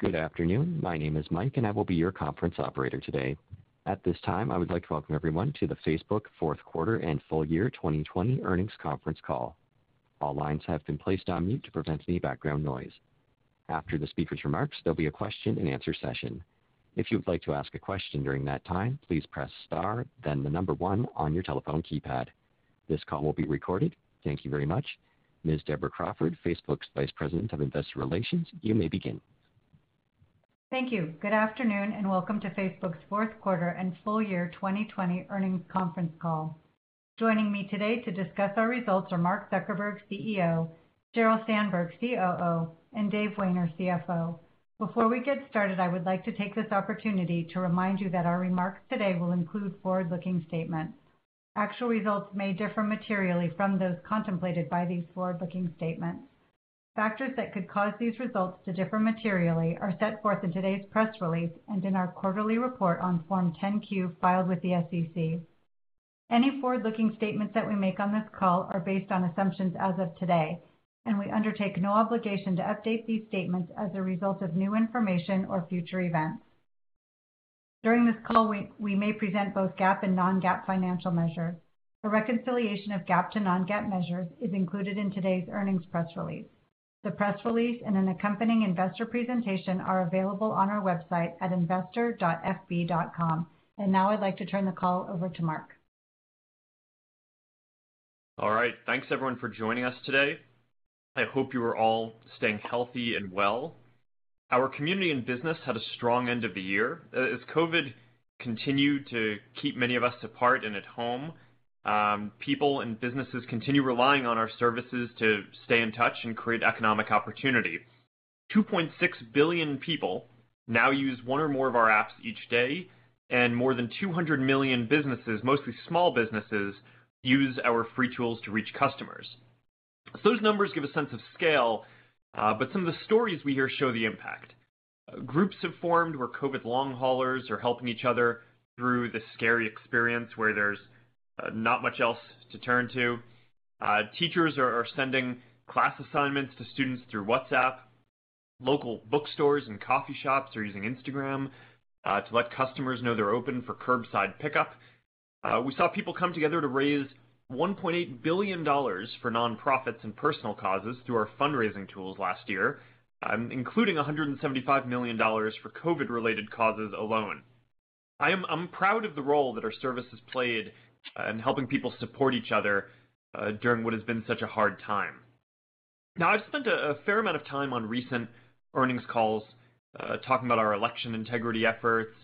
Good afternoon. My name is Mike, and I will be your conference operator today. At this time, I would like to welcome everyone to the Facebook Fourth Quarter and Full Year 2020 Earnings Conference Call. All lines have been placed on mute to prevent any background noise. After the speaker's remarks, there'll be a question-and-answer session. If you would like to ask a question during that time, please press star then the number one on your telephone keypad. This call will be recorded. Thank you very much. Ms. Deborah Crawford, Facebook's Vice President of Investor Relations, you may begin. Thank you. Good afternoon, welcome to Facebook's Fourth Quarter and Full Year 2020 Earnings Conference Call. Joining me today to discuss our results are Mark Zuckerberg, CEO; Sheryl Sandberg, COO; and Dave Wehner, CFO. Before we get started, I would like to take this opportunity to remind you that our remarks today will include forward-looking statements. Actual results may differ materially from those contemplated by these forward-looking statements. Factors that could cause these results to differ materially are set forth in today's press release and in our quarterly report on Form 10-Q filed with the SEC. Any forward-looking statements that we make on this call are based on assumptions as of today, and we undertake no obligation to update these statements as a result of new information or future events. During this call, we may present both GAAP and non-GAAP financial measures. A reconciliation of GAAP and non-GAAP measures is included in today's earnings press release. The press release and an accompanying investor presentation are available on our website at investor.fb.com. Now I'd like to turn the call over to Mark. All right. Thanks everyone, for joining us today. I hope you are all staying healthy and well. Our community and business had a strong end of the year. As COVID continued to keep many of us apart and at home, people and businesses continue relying on our services to stay in touch and create economic opportunity. 2.6 billion people now use one or more of our apps each day, and more than 200 million businesses, mostly small businesses, use our free tools to reach customers. Those numbers give a sense of scale, but some of the stories we hear show the impact. Groups have formed where COVID long haulers are helping each other through this scary experience where there's not much else to turn to. Teachers are sending class assignments to students through WhatsApp. Local bookstores and coffee shops are using Instagram to let customers know they're open for curbside pickup. We saw people come together to raise $1.8 billion for nonprofits and personal causes through our fundraising tools last year, including $175 million for COVID-related causes alone. I'm proud of the role that our service has played in helping people support each other during what has been such a hard time. I've spent a fair amount of time on recent earnings calls talking about our election integrity efforts.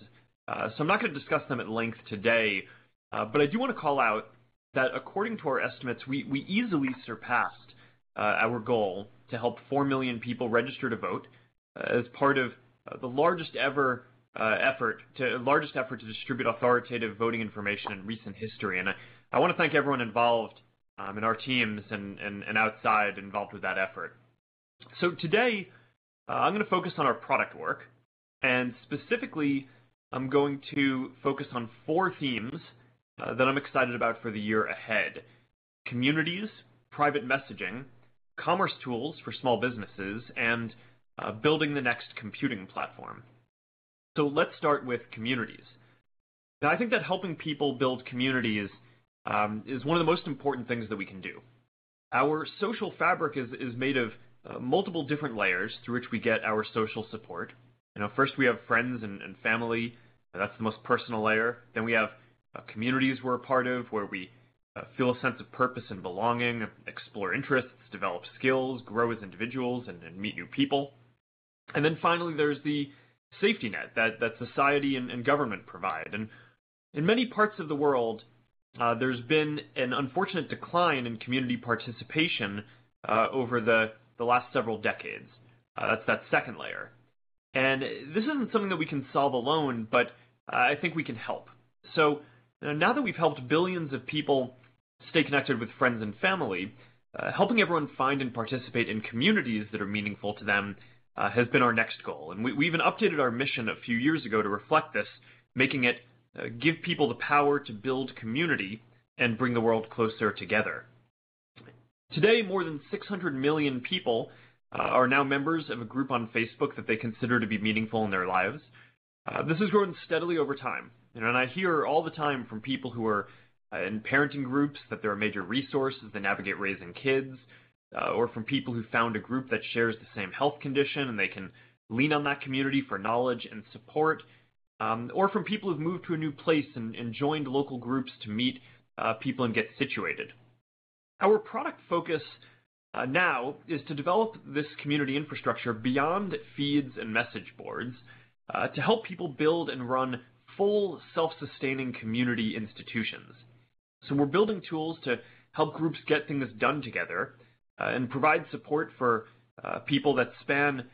I'm not gonna discuss them at length today. I do wanna call out that according to our estimates, we easily surpassed our goal to help 4 million people register to vote as part of the largest ever effort to distribute authoritative voting information in recent history. I wanna thank everyone involved in our teams and outside involved with that effort. Today, I'm gonna focus on our product work. Specifically, I'm going to focus on four themes that I'm excited about for the year ahead: communities, private messaging, commerce tools for small businesses, and building the next computing platform. Let's start with communities. I think that helping people build community is one of the most important things that we can do. Our social fabric is made of multiple different layers through which we get our social support. You know, first, we have friends and family. That's the most personal layer. Then we have communities, we're a part of, where we feel a sense of purpose and belonging, explore interests, develop skills, grow as individuals, and meet new people. Then finally, there's the safety net that society and government provide. In many parts of the world, there's been an unfortunate decline in community participation over the last several decades. That's that second layer. This isn't something that we can solve alone, but I think we can help. You know, now that we've helped billions of people stay connected with friends and family, helping everyone find and participate in communities that are meaningful to them has been our next goal. We even updated our mission a few years ago to reflect this, making it give people the power to build community and bring the world closer together. Today, more than 600 million people are now members of a group on Facebook that they consider to be meaningful in their lives. This has grown steadily over time. You know, I hear all the time from people who are in parenting groups that they're a major resource as they navigate raising kids or from people who found a group that shares the same health condition, and they can lean on that community for knowledge and support or from people who've moved to a new place and joined local groups to meet people and get situated. Our product focus now is to develop this community infrastructure beyond feeds and message boards to help people build and run full self-sustaining community institutions. We're building tools to help groups get things done together, and provide support for people that span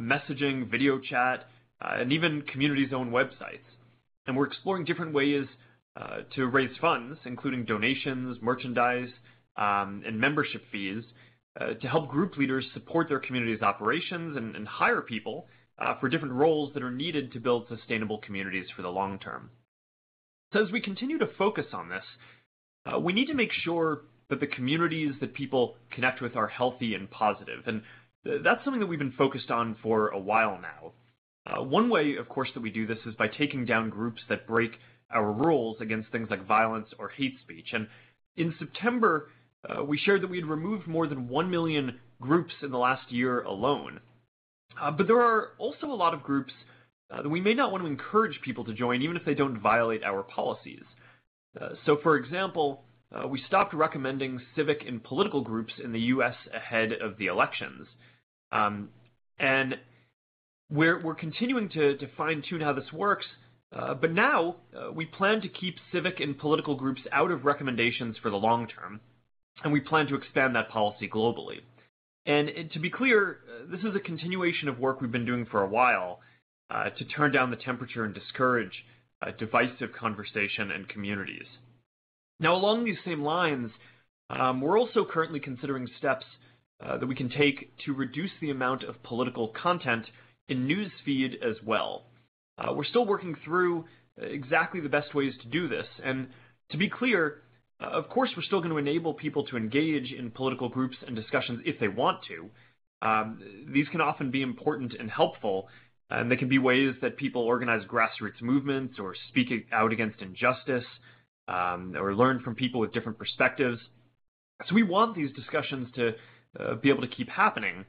messaging, video chat, and even communities' own websites. We're exploring different ways to raise funds, including donations, merchandise, and membership fees to help group leaders support their community's operations and hire people for different roles that are needed to build sustainable communities for the long term. As we continue to focus on this, we need to make sure that the communities that people connect with are healthy and positive. That's something that we've been focused on for a while now. One way, of course that we do this is by taking down groups that break our rules against things like violence or hate speech. In September, we shared that we had removed more than 1 million groups in the last year alone. There are also a lot of groups that we may not want to encourage people to join, even if they don't violate our policies. For example, we stopped recommending civic and political groups in the U.S. ahead of the elections. We're continuing to fine-tune how this works. Now we plan to keep civic and political groups out of recommendations for the long term. We plan to expand that policy globally. To be clear, this is a continuation of work we've been doing for a while to turn down the temperature and discourage divisive conversation and communities. Now, along these same lines, we're also currently considering steps that we can take to reduce the amount of political content in News Feed as well. We're still working through exactly the best ways to do this. To be clear. Of course, we're still going to enable people to engage in political groups and discussions if they want to. These can often be important and helpful. They can be ways that people organize grassroots movements or speak out against injustice or learn from people with different perspectives. We want these discussions to be able to keep happening.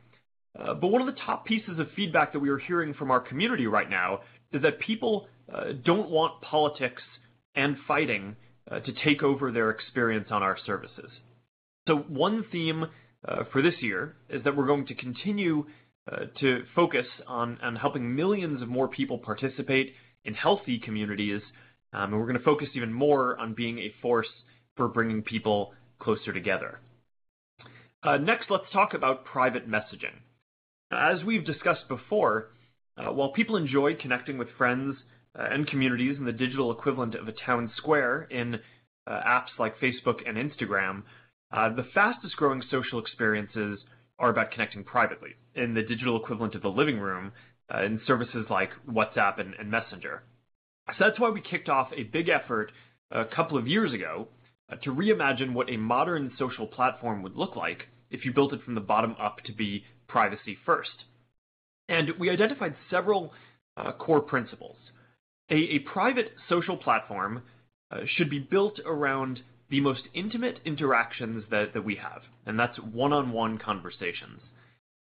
One of the top pieces of feedback that we are hearing from our community right now is that people don't want politics and fighting to take over their experience on our services. One theme for this year is that we're going to continue to focus on helping millions of more people participate in healthy communities. We're going to focus even more on being a force for bringing people closer together. Next, let's talk about private messaging. As we've discussed before, while people enjoy connecting with friends and communities in the digital equivalent of a town square in apps like Facebook and Instagram, the fastest growing social experiences are about connecting privately in the digital equivalent of a living room in services like WhatsApp and Messenger. That's why we kicked off a big effort two years ago to reimagine what a modern social platform would look like if you built it from the bottom up to be privacy first. We identified several core principles. A private social platform should be built around the most intimate interactions that we have, and that's one-on-one conversations.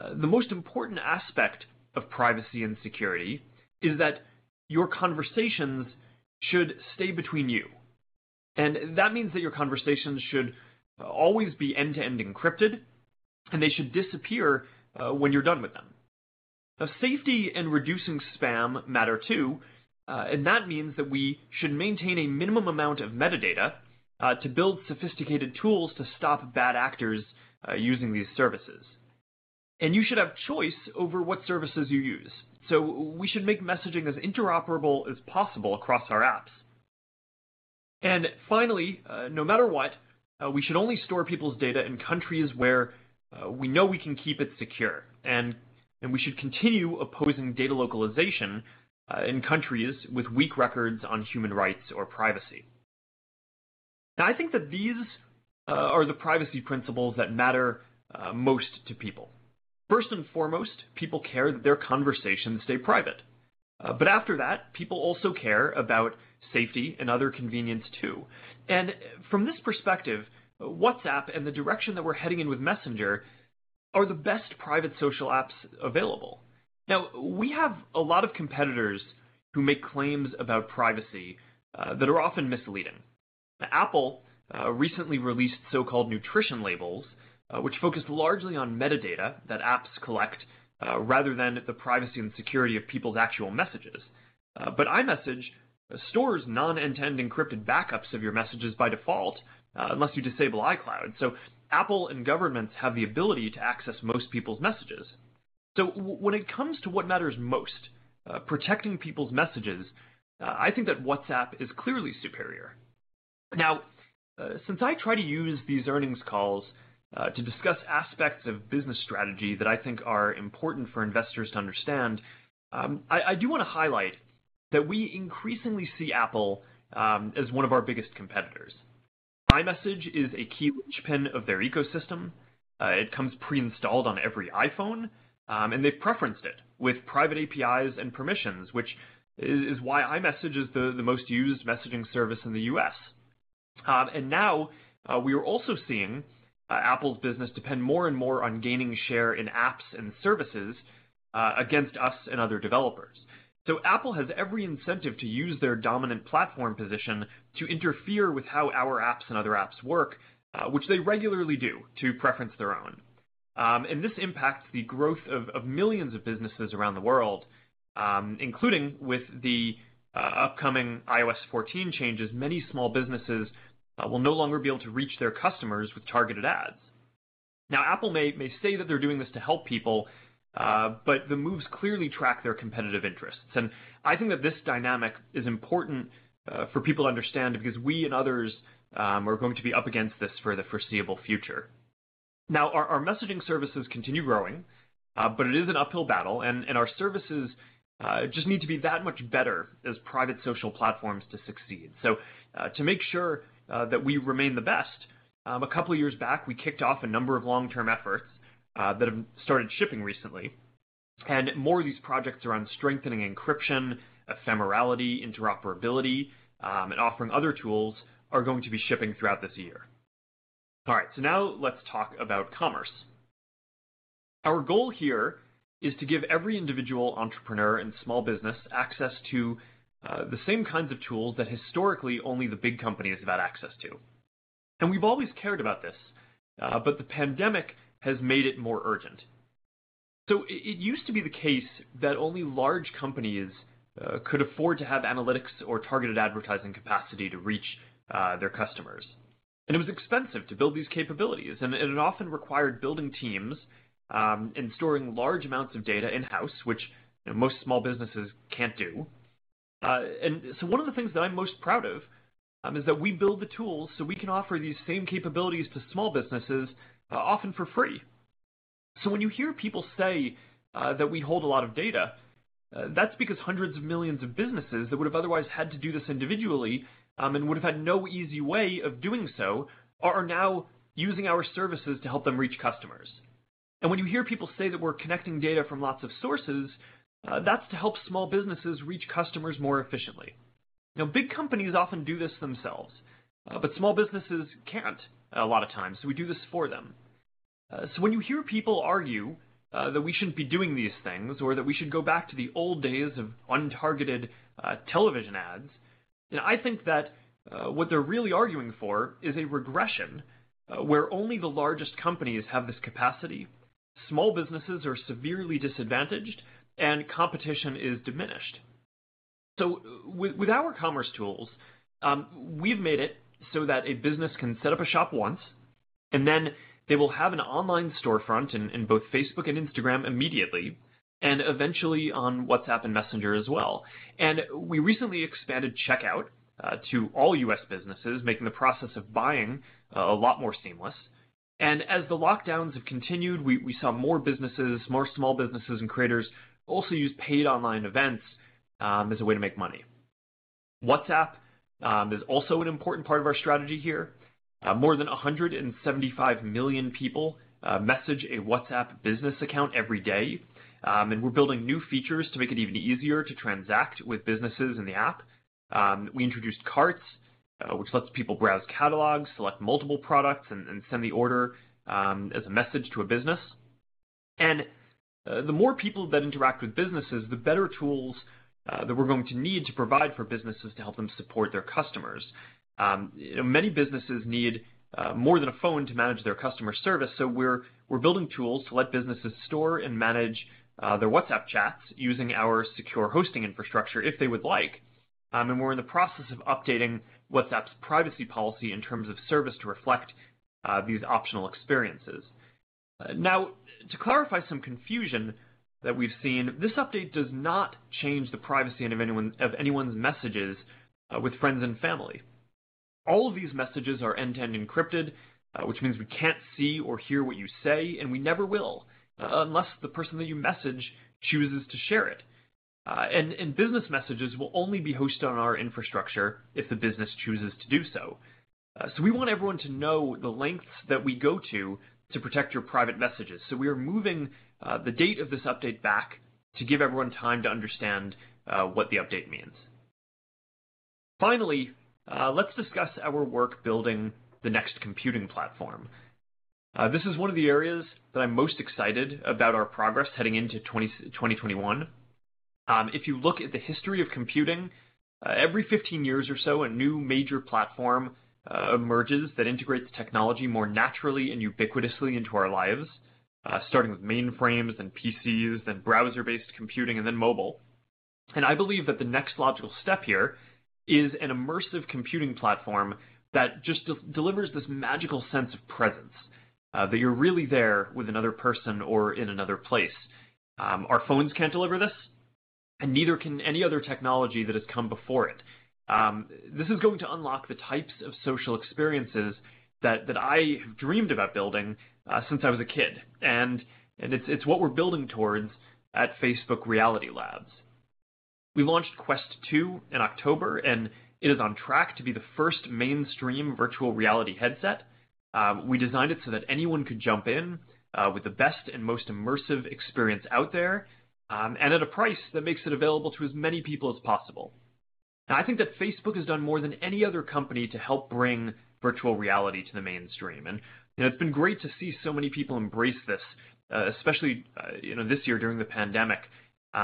The most important aspect of privacy and security is that your conversations should stay between you. That means that your conversations should always be end-to-end encrypted, and they should disappear when you're done with them. Safety and reducing spam matter too, that means that we should maintain a minimum amount of metadata to build sophisticated tools to stop bad actors using these services. You should have choice over what services you use. We should make messaging as interoperable as possible across our apps. Finally, no matter what, we should only store people's data in countries where we know we can keep it secure. We should continue opposing data localization in countries with weak records on human rights or privacy. I think that these are the privacy principles that matter most to people. First and foremost, people care that their conversations stay private. After that, people also care about safety and other convenience too. From this perspective, WhatsApp and the direction that we're heading in with Messenger are the best private social apps available. We have a lot of competitors who make claims about privacy that are often misleading. Apple recently released so-called nutrition labels, which focused largely on metadata that apps collect rather than the privacy and security of people's actual messages. iMessage stores non-end-to-end encrypted backups of your messages by default unless you disable iCloud. Apple and governments have the ability to access most people's messages. When it comes to what matters most protecting people's messages. I think that WhatsApp is clearly superior. Since I try to use these earnings calls to discuss aspects of business strategy that I think are important for investors to understand. I do want to highlight that we increasingly see Apple as one of our biggest competitors. iMessage is a key linchpin of their ecosystem. It comes pre-installed on every iPhone, and they've preferenced it with private APIs and permissions. Which is why iMessage is the most used messaging service in the U.S. Now we are also seeing Apple's business depend more and more on gaining share in apps and services against us and other developers. Apple has every incentive to use their dominant platform position to interfere with how our apps and other apps work, which they regularly do to preference their own. This impacts the growth of millions of businesses around the world including with the upcoming iOS 14 changes many small businesses will no longer be able to reach their customers with targeted ads. Now, Apple may say that they're doing this to help people, but the moves clearly track their competitive interests. I think that this dynamic is important for people to understand because we and others are going to be up against this for the foreseeable future. Now, our messaging services continue growing, but it is an uphill battle. Our services just need to be that much better as private social platforms to succeed. To make sure that we remain the best, a couple of years back, we kicked off a number of long-term efforts that have started shipping recently. More of these projects around strengthening encryption, ephemerality, interoperability, and offering other tools are going to be shipping throughout this year. Now let's talk about commerce. Our goal here is to give every individual entrepreneur and small business access to the same kinds of tools that historically only the big companies have had access to. We've always cared about this, but the pandemic has made it more urgent. It used to be the case that only large companies could afford to have analytics or targeted advertising capacity to reach their customers. It was expensive to build these capabilities, and it often required building teams, and storing large amounts of data in-house. Which, you know, most small businesses can't do. One of the things that I'm most proud of that we build the tools so we can offer these same capabilities to small businesses often for free. When you hear people say that we hold a lot of data, that's because hundreds of millions of businesses that would have otherwise had to do this individually, and would have had no easy way of doing so, are now using our services to help them reach customers. When you hear people say that we're connecting data from lots of sources, that's to help small businesses reach customers more efficiently. Big companies often do this themselves, but small businesses can't a lot of times, we do this for them. When you hear people argue that we shouldn't be doing these things or that we should go back to the old days of untargeted television ads. You know, I think that what they're really arguing for is a regression where only the largest companies have this capacity. Small businesses are severely disadvantaged and competition is diminished. With our commerce tools, we've made it so that a business can set up a shop once, and then they will have an online storefront in both Facebook and Instagram immediately, and eventually on WhatsApp and Messenger as well. We recently expanded checkout to all U.S. businesses, making the process of buying a lot more seamless. As the lockdowns have continued, we saw more businesses more small businesses and creators also use paid online events as a way to make money. WhatsApp is also an important part of our strategy here. More than 175 million people message a WhatsApp business account every day. We're building new features to make it even easier to transact with businesses in the app. We introduced carts, which lets people browse catalogs select multiple products, and send the order as a message to a business. The more people that interact with businesses, the better tools that we're going to need to provide for businesses to help them support their customers. You know, many businesses need more than a phone to manage their customer service, so we're building tools to let businesses store and manage their WhatsApp chats using our secure hosting infrastructure if they would like. We're in the process of updating WhatsApp's privacy policy in terms of service to reflect these optional experiences. Now, to clarify some confusion that we've seen, this update does not change the privacy of anyone's messages with friends and family. All of these messages are end-to-end encrypted, which means we can't see or hear what you say, and we never will. Unless the person that you message chooses to share it. Business messages will only be hosted on our infrastructure if the business chooses to do so. We want everyone to know the lengths that we go to to protect your private messages. We are moving the date of this update back to give everyone time to understand what the update means. Finally, let's discuss our work building the next computing platform. This is one of the areas that I'm most excited about our progress heading into 2021. If you look at the history of computing. Every 15 years or so, a new major platform emerges that integrates technology more naturally and ubiquitously into our lives, starting with mainframes and PCs and browser-based computing and then mobile. I believe that the next logical step here is an immersive computing platform that just delivers this magical sense of presence, that you're really there with another person or in another place. Our phones can't deliver this, and neither can any other technology that has come before it. This is going to unlock the types of social experiences that I have dreamed about building since I was a kid. It's what we're building towards at Facebook Reality Labs. We launched Quest 2 in October. It is on track to be the first mainstream virtual reality headset. We designed it so that anyone could jump in with the best and most immersive experience out there. At a price that makes it available to as many people as possible. Now, I think that Facebook has done more than any other company to help bring virtual reality to the mainstream. You know, it's been great to see so many people embrace this. Especially, you know, this year during the pandemic. You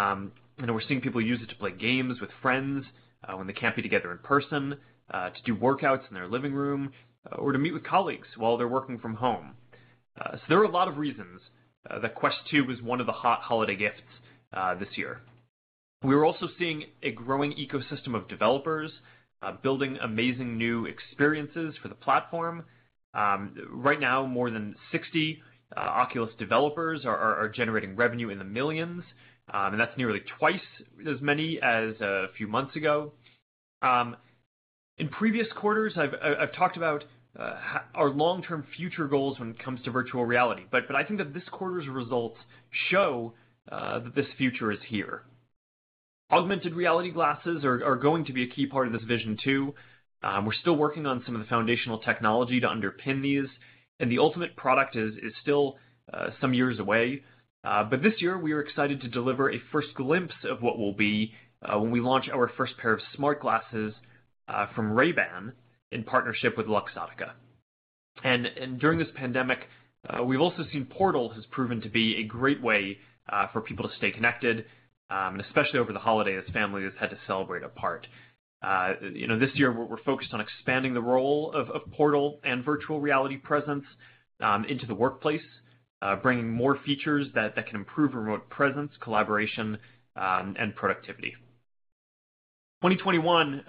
know, we're seeing people use it to play games with friends, when they can't be together in person, to do workouts in their living room, or to meet with colleagues while they're working from home. There are a lot of reasons that Quest 2 was one of the hot holiday gifts this year. We're also seeing a growing ecosystem of developers building amazing new experiences for the platform. Right now, more than 60 Oculus developers are generating revenue in the millions and that's nearly twice as many as a few months ago. In previous quarters, I've talked about our long-term future goals when it comes to virtual reality. I think that this quarter's results show that this future is here. Augmented reality glasses are going to be a key part of this vision. We're still working on some of the foundational technology to underpin these. The ultimate product is still some years away. This year, we are excited to deliver a first glimpse of what will be when we launch our first pair of smart glasses from Ray-Ban in partnership with Luxottica. During this pandemic, we've also seen Portal has proven to be a great way for people to stay connected, especially over the holiday as family has had to celebrate apart. You know, this year we're focused on expanding the role of Portal and virtual reality presence into the workplace, bringing more features that can improve remote presence, collaboration, and productivity. 2021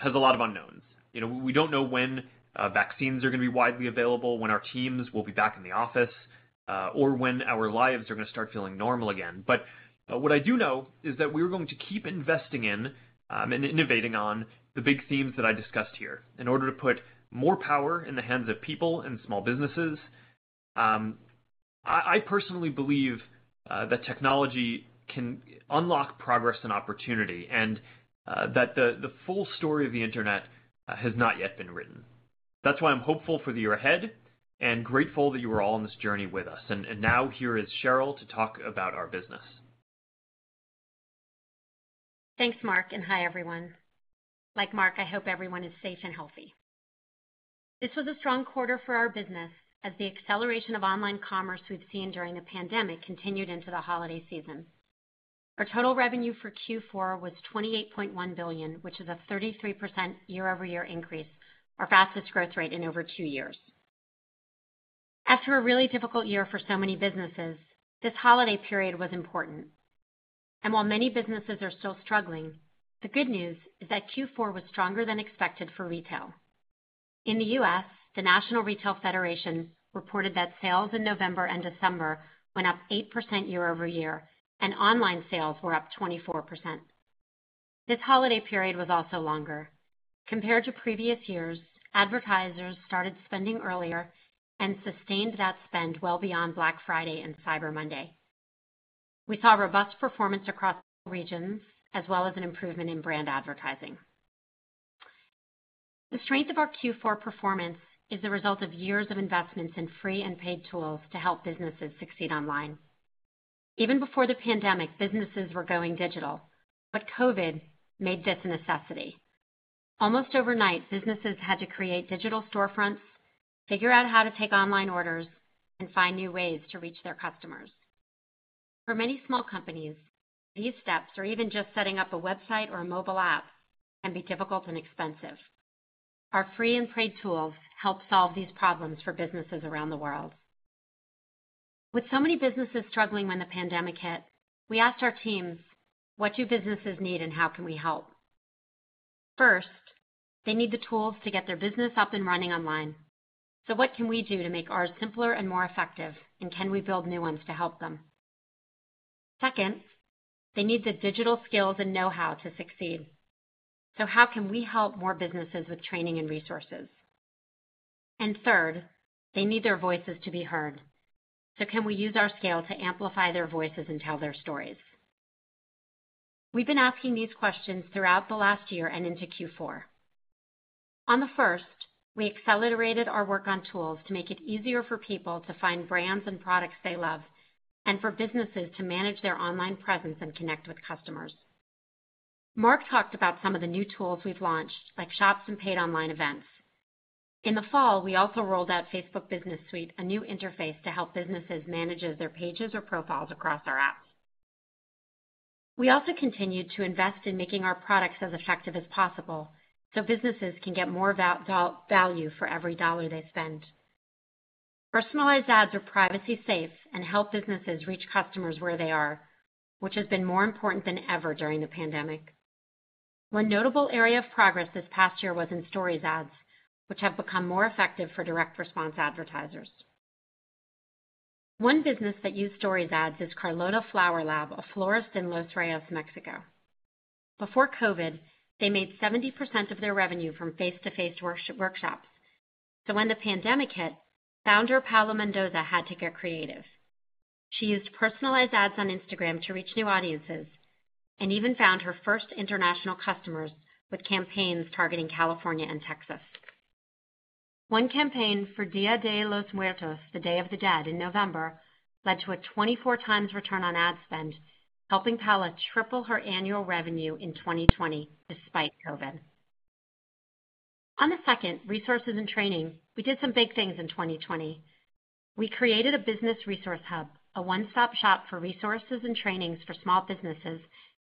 has a lot of unknowns. You know, we don't know when vaccines are gonna be widely available, when our teams will be back in the office. When our lives are gonna start feeling normal again. What I do know is that we're going to keep investing in and innovating on the big themes that I discussed here in order to put more power in the hands of people and small businesses. I personally believe that technology can unlock progress and opportunity, and that the full story of the internet has not yet been written. That's why I'm hopeful for the year ahead and grateful that you are all on this journey with us. Now here is Sheryl to talk about our business. Thanks, Mark. Hi, everyone. Like Mark, I hope everyone is safe and healthy. This was a strong quarter for our business as the acceleration of online commerce we've seen during the pandemic continued into the holiday season. Our total revenue for Q4 was $28.1 billion, which is a 33% year-over-year increase, our fastest growth rate in over two years. After a really difficult year for so many businesses, this holiday period was important. While many businesses are still struggling, the good news is that Q4 was stronger than expected for retail. In the U.S. the National Retail Federation reported that sales in November and December went up 8% year-over-year, and online sales were up 24%. This holiday period was also longer. Compared to previous years, advertisers started spending earlier and sustained that spend well beyond Black Friday and Cyber Monday. We saw robust performance across all regions, as well as an improvement in brand advertising. The strength of our Q4 performance is the result of years of investments in free and paid tools to help businesses succeed online. Even before the pandemic, businesses were going digital, but COVID made this a necessity. Almost overnight, businesses had to create digital storefronts, figure out how to take online orders, and find new ways to reach their customers. For many small companies. These steps or even just setting up a website or a mobile app. Can be difficult and expensive. Our free and paid tools help solve these problems for businesses around the world. With so many businesses struggling when the pandemic hit, we asked our teams, "What do businesses need, and how can we help?" First, they need the tools to get their business up and running online. What can we do to make ours simpler and more effective, and can we build new ones to help them? Second, they need the digital skills and know-how to succeed. How can we help more businesses with training and resources? Third, they need their voices to be heard. Can we use our scale to amplify their voices and tell their stories? We've been asking these questions throughout the last year and into Q4. On the first, we accelerated our work on tools to make it easier for people to find brands and products they love and for businesses to manage their online presence and connect with customers. Mark talked about some of the new tools we've launched, like Shops and paid online events. In the fall, we also rolled out Facebook Business Suite, a new interface to help businesses manage their pages or profiles across our apps. We also continued to invest in making our products as effective as possible so businesses can get more value for every dollar they spend. Personalized ads are privacy-safe and help businesses reach customers where they are, which has been more important than ever during the pandemic. One notable area of progress this past year was in Stories ads, which have become more effective for direct response advertisers. One business that used Stories ads is Carlota Flower Lab, a florist in Los Reyes Mexico. Before COVID, they made 70% of their revenue from face-to-face workshops. When the pand`emic hit, founder Paula Mendoza had to get creative. She used personalized ads on Instagram to reach new audiences and even found her first international customers with campaigns targeting California and Texas. One campaign for Día de los Muertos, the Day of the Dead in November, led to a 24 times return on ad spend, helping Paula triple her annual revenue in 2020 despite COVID. On the second resources and training, we did some big things in 2020. We created a business resource hub a one-stop shop for resources and trainings for small businesses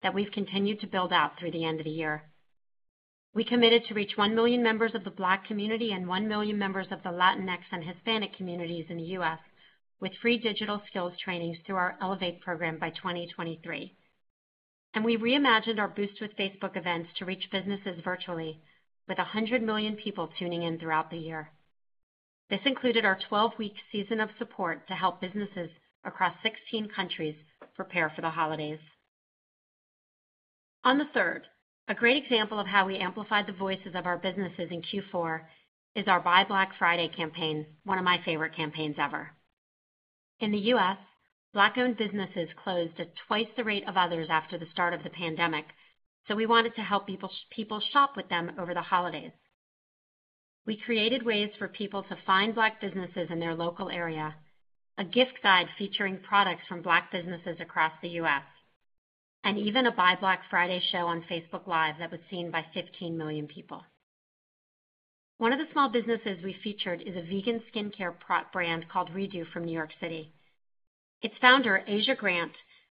that we've continued to build out through the end of the year. We committed to reach 1 million members of the Black community and 1 million members of the Latinx and Hispanic communities in the U.S. with free digital skills trainings through our Elevate program by 2023. We reimagined our Boost with Facebook events to reach businesses virtually, with 100 million people tuning in throughout the year. This included our 12-week season of support to help businesses across 16 countries prepare for the holidays. A great example of how we amplified the voices of our businesses in Q4 is our #BuyBlack Friday campaign, one of my favorite campaigns ever. In the U.S., Black-owned businesses closed at twice the rate of others after the start of the pandemic. We wanted to help people shop with them over the holidays. We created ways for people to find Black businesses in their local area, a gift guide featuring products from Black businesses across the U.S. and even a #BuyBlack Friday show on Facebook Live that was seen by 15 million people. One of the small businesses we featured is a vegan skincare brand called Redoux from New York City. Its founder, Asia Grant,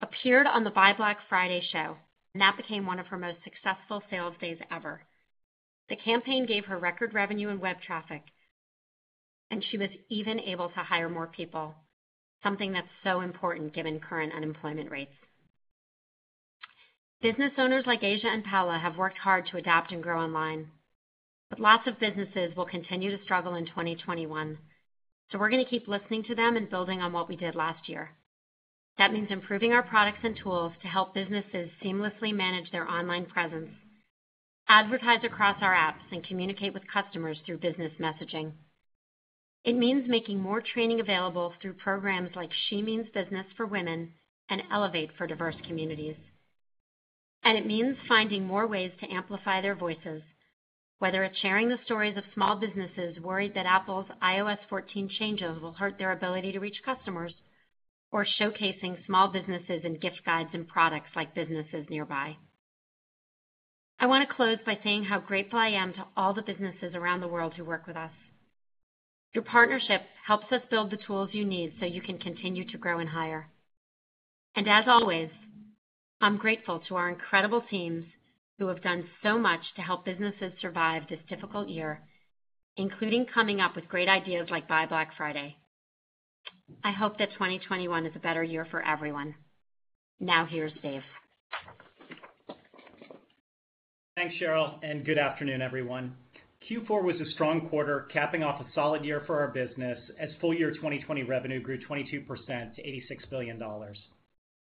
appeared on the #BuyBlack Friday show, that became one of her most successful sales days ever. The campaign gave her record revenue and web traffic, she was even able to hire more people. Something that's so important given current unemployment rates. Business owners like Aja and Paula have worked hard to adapt and grow online. Lots of businesses will continue to struggle in 2021. We're gonna keep listening to them and building on what we did last year. That means improving our products and tools to help businesses seamlessly manage their online presence, advertise across our apps, and communicate with customers through business messaging. It means making more training available through programs like #SheMeansBusiness for women and Elevate for diverse communities. It means finding more ways to amplify their voices, whether it is sharing the stories of small businesses worried that Apple's iOS 14 changes will hurt their ability to reach customers or showcasing small businesses in gift guides and products like Businesses Nearby. I want to close by saying how grateful I am to all the businesses around the world who work with us. Your partnership helps us build the tools you need so you can continue to grow and hire. As always, I am grateful to our incredible teams who have done so much to help businesses survive this difficult year, including coming up with great ideas like #BuyBlack Friday. I hope that 2021 is a better year for everyone. Now, here's Dave. Thanks, Sheryl, and good afternoon, everyone. Q4 was a strong quarter, capping off a solid year for our business as full-year 2020 revenue grew 22% to $86 billion.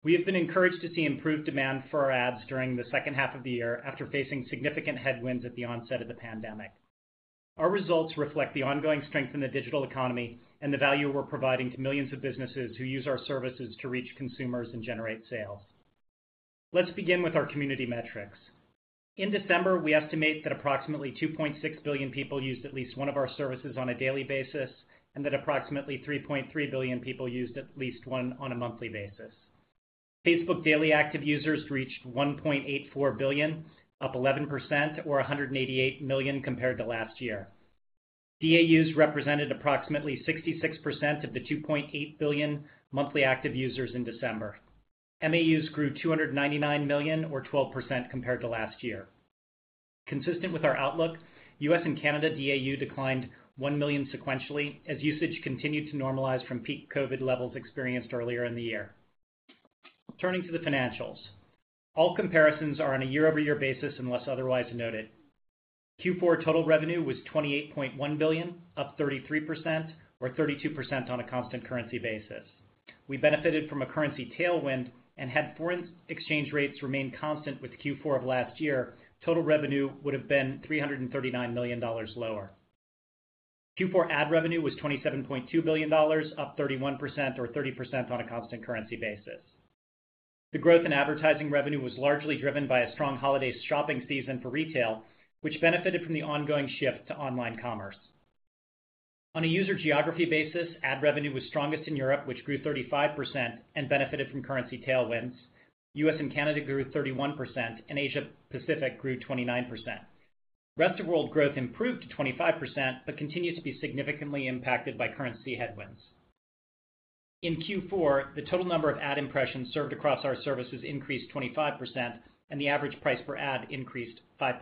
We have been encouraged to see improved demand for our ads during the H2 of the year after facing significant headwinds at the onset of the pandemic. Our results reflect the ongoing strength in the digital economy and the value we're providing to millions of businesses who use our services to reach consumers and generate sales. Let's begin with our community metrics. In December, we estimate that approximately 2.6 billion people used at least one of our services on a daily basis, and that approximately 3.3 billion people used at least one on a monthly basis. Facebook daily active users reached 1.84 billion, up 11% or 188 million compared to last year. DAUs represented approximately 66% of the 2.8 billion monthly active users in December. MAUs grew 299 million or 12% compared to last year. Consistent with our outlook, U.S. and Canada DAU declined 1 million sequentially as usage continued to normalize from peak COVID levels experienced earlier in the year. Turning to the financials. All comparisons are on a year-over-year basis unless otherwise noted. Q4 total revenue was $28.1 billion, up 33% or 32% on a constant currency basis. We benefited from a currency tailwind, had foreign exchange rates remained constant with Q4 of last year, total revenue would have been $339 million lower. Q4 ad revenue was $27.2 billion, up 31% or 30% on a constant currency basis. The growth in advertising revenue was largely driven by a strong holiday shopping season for retail, which benefited from the ongoing shift to online commerce. On a user geography basis, ad revenue was strongest in Europe, which grew 35% and benefited from currency tailwinds. US and Canada grew 31%, and Asia Pacific grew 29%. Rest of world growth improved to 25%, but continued to be significantly impacted by currency headwinds. In Q4, the total number of ad impressions served across our services increased 25%, and the average price per ad increased 5%.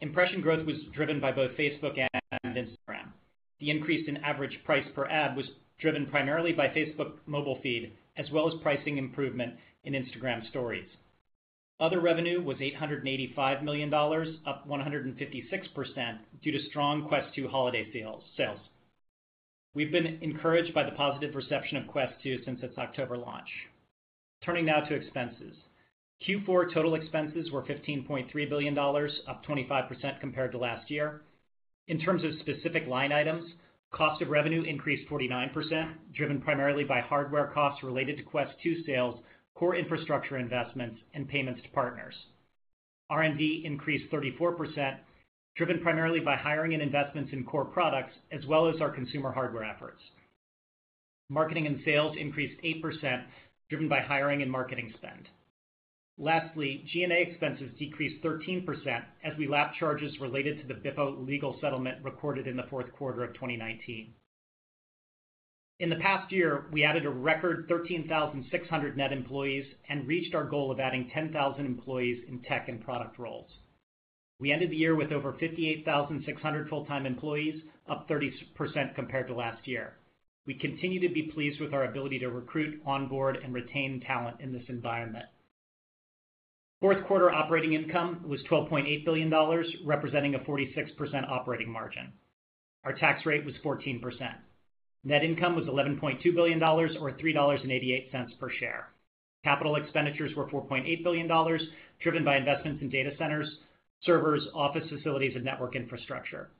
Impression growth was driven by both Facebook and Instagram. The increase in average price per ad was driven primarily by Facebook Mobile Feed, as well as pricing improvement in Instagram Stories. Other revenue was $885 million, up 156% due to strong Quest 2 holiday sales. We've been encouraged by the positive reception of Quest 2 since its October launch. Turning now to expenses. Q4 total expenses were $15.3 billion, up 25% compared to last year. In terms of specific line items, cost of revenue increased 49%, driven primarily by hardware costs related to Quest 2 sales, core infrastructure investments, and payments to partners. R&D increased 34%, driven primarily by hiring and investments in core products, as well as our consumer hardware efforts. Marketing and sales increased 8%, driven by hiring and marketing spend. Lastly, G&A expenses decreased 13% as we lap charges related to the BIPA legal settlement recorded in the fourth quarter of 2019. In the past year, we added a record 13,600 net employees and reached our goal of adding 10,000 employees in tech and product roles. We ended the year with over 58,600 full-time employees, up 30% compared to last year. We continue to be pleased with our ability to recruit, onboard, and retain talent in this environment. Fourth quarter operating income was $12.8 billion, representing a 46% operating margin. Our tax rate was 14%. Net income was $11.2 billion or $3.88 per share. Capital expenditures were $4.8 billion, driven by investments in data centers, servers, office facilities, and network infrastructure.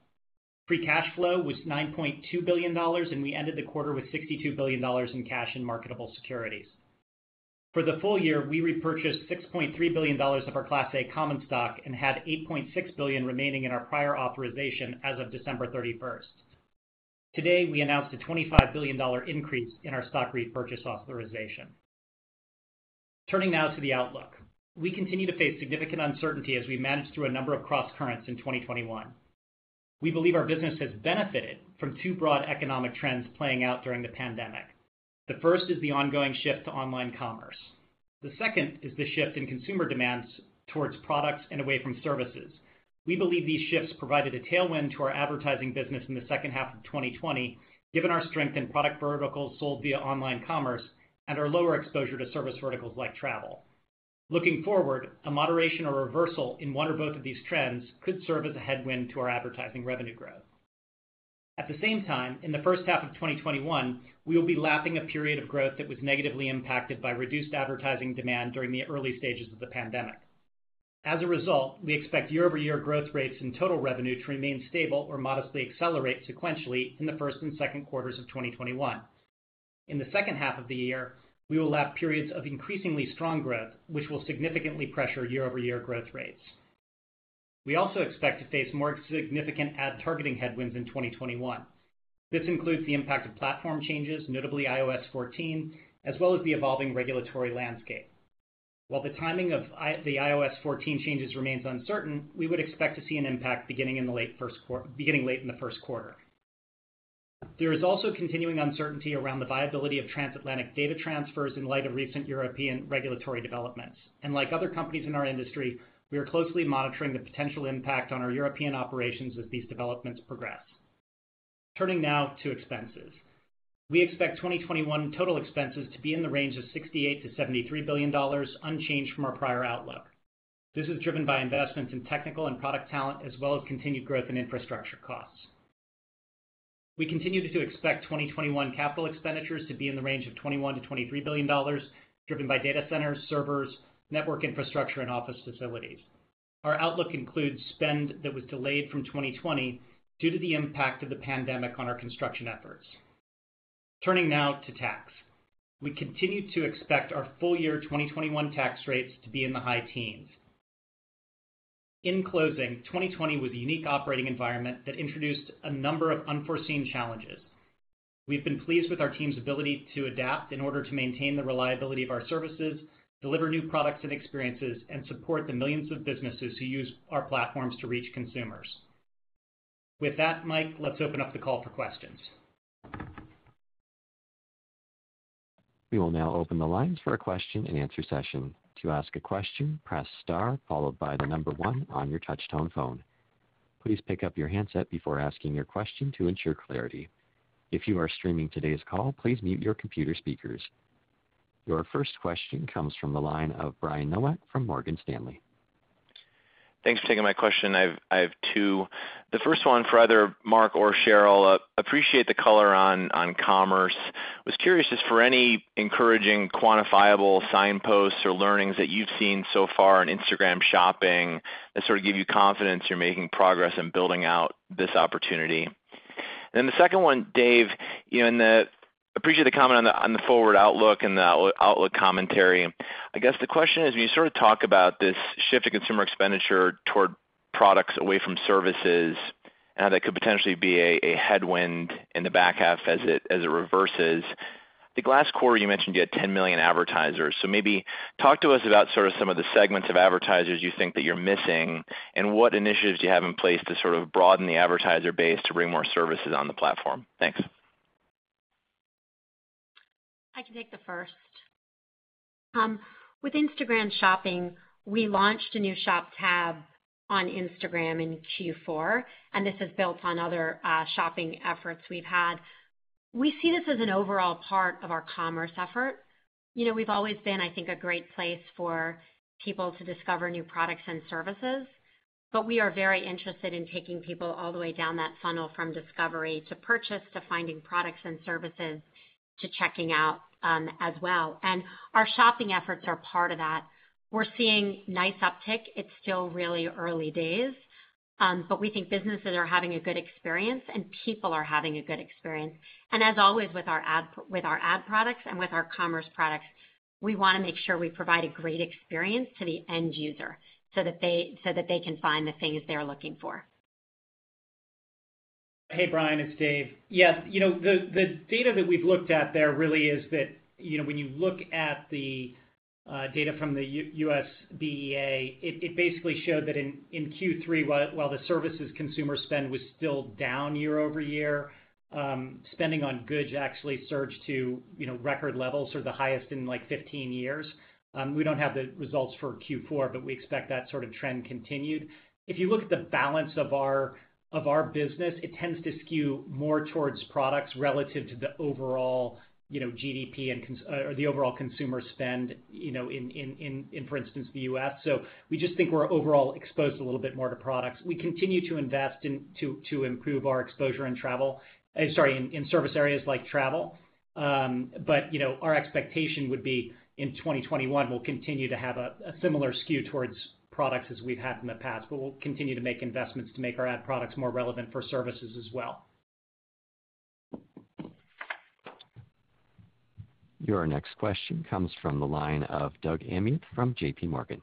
Free cash flow was $9.2 billion, and we ended the quarter with $62 billion in cash and marketable securities. For the full year, we repurchased $6.3 billion of our class A common stock and had $8.6 billion remaining in our prior authorization as of December 31st. Today, we announced a $25 billion increase in our stock repurchase authorization. Turning now to the outlook. We continue to face significant uncertainty as we manage through a number of crosscurrents in 2021. We believe our business has benefited from two broad economic trends playing out during the pandemic. The first is the ongoing shift to online commerce. The second is the shift in consumer demands towards products and away from services. We believe these shifts provided a tailwind to our advertising business in the H2 of 2020, given our strength in product verticals sold via online commerce and our lower exposure to service verticals like travel. Looking forward, a moderation or reversal in one or both of these trends could serve as a headwind to our advertising revenue growth. At the same time, in the H1 of 2021, we will be lapping a period of growth that was negatively impacted by reduced advertising demand during the early stages of the pandemic. As a result, we expect year-over-year growth rates in total revenue to remain stable or modestly accelerate sequentially in the first and second quarters of 2021. In the H2 of the year, we will lap periods of increasingly strong growth, which will significantly pressure year-over-year growth rates. We also expect to face more significant ad targeting headwinds in 2021. This includes the impact of platform changes, notably iOS 14, as well as the evolving regulatory landscape. While the timing of the iOS 14 changes remains uncertain, we would expect to see an impact beginning late in the first quarter. There is also continuing uncertainty around the viability of transatlantic data transfers in light of recent European regulatory developments. Like other companies in our industry, we are closely monitoring the potential impact on our European operations as these developments progress. Turning now to expenses. We expect 2021 total expenses to be in the range of $68 billion-$73 billion, unchanged from our prior outlook. This is driven by investments in technical and product talent, as well as continued growth in infrastructure costs. We continue to expect 2021 capital expenditures to be in the range of $21 billion-$23 billion, driven by data centers, servers, network infrastructure, and office facilities. Our outlook includes spend that was delayed from 2020 due to the impact of the pandemic on our construction efforts. Turning now to tax. We continue to expect our full year 2021 tax rates to be in the high teens. In closing, 2020 was a unique operating environment that introduced a number of unforeseen challenges. We've been pleased with our team's ability to adapt in order to maintain the reliability of our services, deliver new products and experiences, and support the millions of businesses who use our platforms to reach consumers. With that, Mike, let's open up the call for questions. Your first question comes from the line of Brian Nowak from Morgan Stanley. Thanks for taking my question. I have two. The first one for either Mark or Sheryl. Appreciate the color on commerce. Was curious just for any encouraging quantifiable signposts or learnings that you've seen so far in Instagram shopping that sort of give you confidence you're making progress in building out this opportunity. The second one, Dave, you know, appreciate the comment on the forward outlook and the outlook commentary. I guess the question is, when you sort about this shift in consumer expenditure toward products away from services and how that could potentially be a headwind in the back half as it reverses. The last quarter you mentioned you had 10 million advertisers. Maybe talk to us about sort of some of the segments of advertisers you think that you're missing and what initiatives you have in place to sort of broaden the advertiser base to bring more services on the platform. Thanks. I can take the first. With Instagram shopping, we launched a new Shops tab on Instagram in Q4. This is built on other shopping efforts we've had. We see this as an overall part of our commerce effort. You know, we've always been, I think, a great place for people to discover new products and services, but we are very interested in taking people all the way down that funnel from discovery to purchase to finding products and services to checking out as well. Our shopping efforts are part of that. We're seeing nice uptick. It's still really early days, but we think businesses are having a good experience and people are having a good experience. As always, with our ad products and with our commerce products, we wanna make sure we provide a great experience to the end user so that they can find the things they're looking for. Hey, Brian, it's Dave. Yes, You know, the data that we've looked at there really is that, you know, when you look at the data from the U.S. BEA. It basically showed that in Q3 while the services consumer spend was still down year-over-year, spending on goods actually surged to, you know, record levels or the highest in like 15 years. We don't have the results for Q4, but we expect that sort of trend continued. If you look at the balance of our business, it tends to skew more towards products relative to the overall, you know, GDP or the overall consumer spend, you know, in, for instance, the U.S. We just think we're overall exposed a little bit more to products. We continue to invest in to improve our exposure in travel. Sorry, in service areas like travel. You know, our expectation would be in 2021 we'll continue to have a similar skew towards products as we've had in the past. We'll continue to make investments to make our ad products more relevant for services as well. Your next question comes from the line of Doug Anmuth from JPMorgan.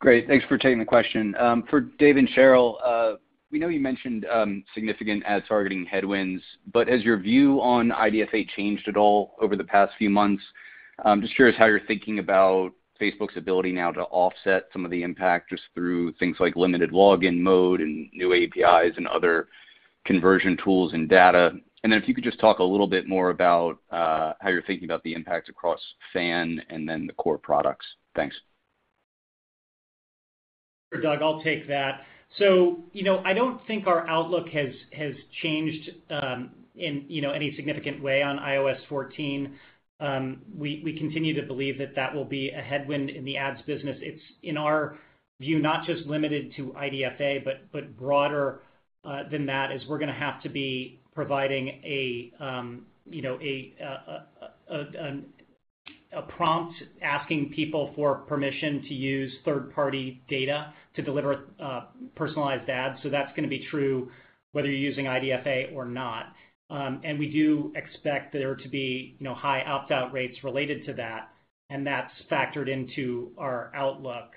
Great. Thanks for taking the question. For Dave and Sheryl, we know you mentioned significant ad targeting headwinds, but has your view on IDFA changed at all over the past few months? Just curious how you're thinking about Facebook's ability now to offset some of the impact just through things like limited login mode and new APIs and other conversion tools and data. If you could just talk a little bit more about how you're thinking about the impact across FAN and then the core products. Thanks. Sure, Doug. I'll take that. You know, I don't think our outlook has changed in, you know, any significant way on iOS 14. We continue to believe that that will be a headwind in the ads business. It's in our view not just limited to IDFA, but broader than that, as we're gonna have to be providing a, you know, a prompt asking people for permission to use third-party data to deliver personalized ads. That's gonna be true whether you're using IDFA or not. We do expect there to be, you know, high opt-out rates related to that, and that's factored into our outlook.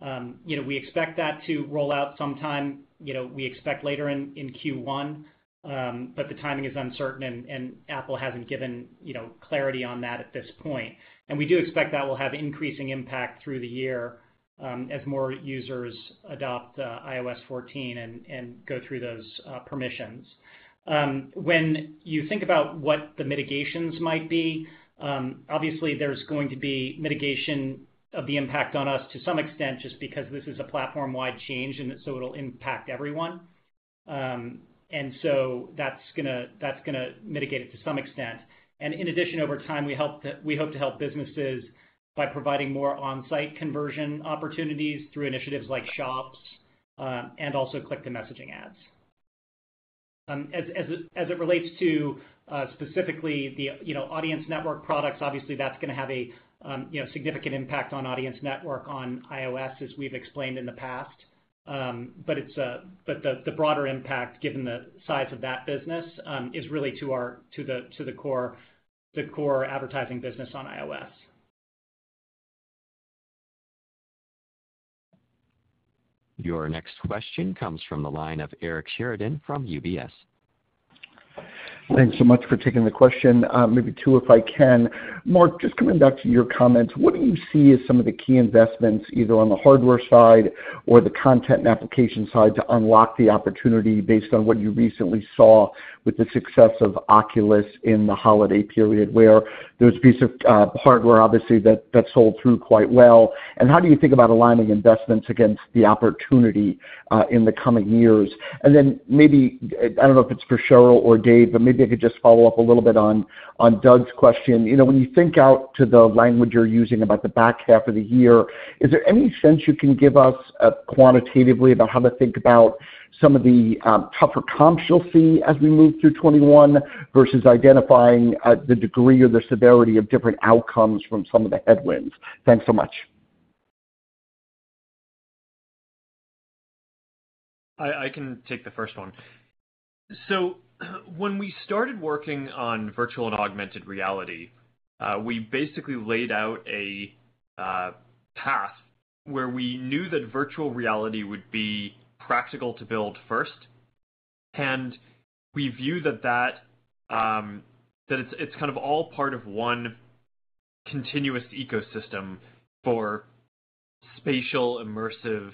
You know, we expect that to roll out sometime, you know, we expect later in Q1. The timing is uncertain, and Apple hasn't given, you know, clarity on that at this point. We do expect that will have increasing impact through the year as more users adopt iOS 14 and go through those permissions. When you think about what the mitigations might be, obviously there's going to be mitigation of the impact on us to some extent just because this is a platform-wide change, it'll impact everyone. That's gonna mitigate it to some extent. In addition over time, we hope to help businesses by providing more on site conversion opportunities through initiatives like Shops and also click to messaging ads. As it relates to, specifically the, you know, Audience Network products, obviously that's gonna have a, you know, significant impact on Audience Network on iOS, as we've explained in the past. The broader impact given the size of that business is really to our core advertising business on iOS. Your next question comes from the line of Eric Sheridan from UBS. Thanks so much for taking the question. Maybe two, if I can. Mark, just coming back to your comments, what do you see as some of the key investments, either on the hardware side or the content and application side to unlock the opportunity based on what you recently saw with the success of Oculus in the holiday period, where there's a piece of hardware obviously that sold through quite well? How do you think about aligning investments against the opportunity in the coming years? Then maybe, I don't know if it's for Sheryl or Dave, but maybe I could just follow up a little bit on Doug's question. You know, when you think out to the language you're using about the back half of the year is there any sense you can give us. Quantitatively about how to think about some of the tougher comps you'll see as we move through 21 versus identifying, the degree or the severity of different outcomes from some of the headwinds? Thanks so much. I can take the first one. When we started working on virtual and augmented reality. We basically laid out a path where we knew that virtual reality would be practical to build first. We view that it's kind of all part of one continuous ecosystem for spatial immersive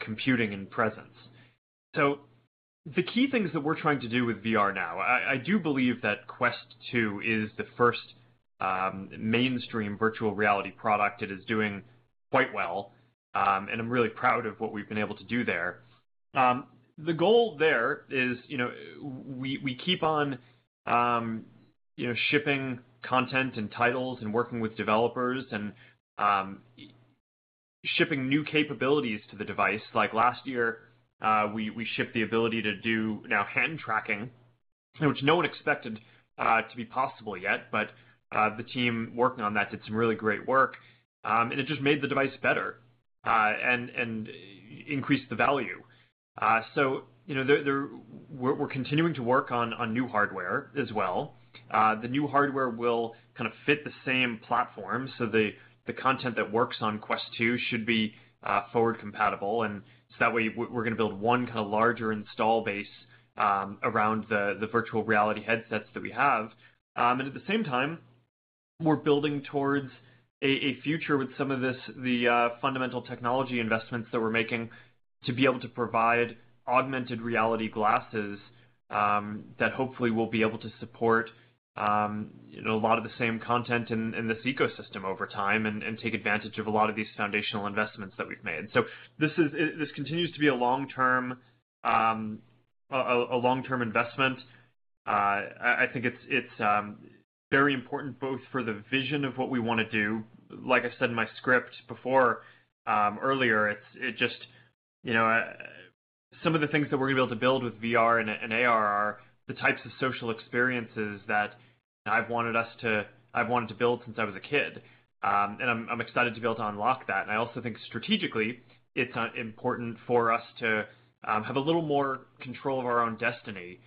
computing and presence. The key things that we're trying to do with VR now, I do believe that Quest 2 is the first mainstream virtual reality product. It is doing quite well, and I'm really proud of what we've been able to do there. The goal there is, you know, we keep on, you know, shipping content and titles and working with developers and shipping new capabilities to the device. Like last year, we shipped the ability to do now hand tracking, which no one expected to be possible yet. The team working on that did some really great work. It just made the device better and increased the value. You know, we're continuing to work on new hardware as well. The new hardware will kind of fit the same platform. The content that works on Quest 2 should be forward compatible. That way we're gonna build one kind of larger install base around the virtual reality headsets that we have. We're building towards a future with some of this, the fundamental technology investments that we're making to be able to provide augmented reality glasses, that hopefully will be able to support, you know, a lot of the same content in this ecosystem over time and take advantage of a lot of these foundational investments that we've made. This continues to be a long-term investment. I think it's very important both for the vision of what we wanna do. Like I said in my script before earlier, it just, you know, some of the things that we're gonna be able to build with VR and AR are the types of social experiences that I've wanted to build since I was a kid. I'm excited to be able to unlock that. I also think strategically it's important for us to have a little more control of our own destiny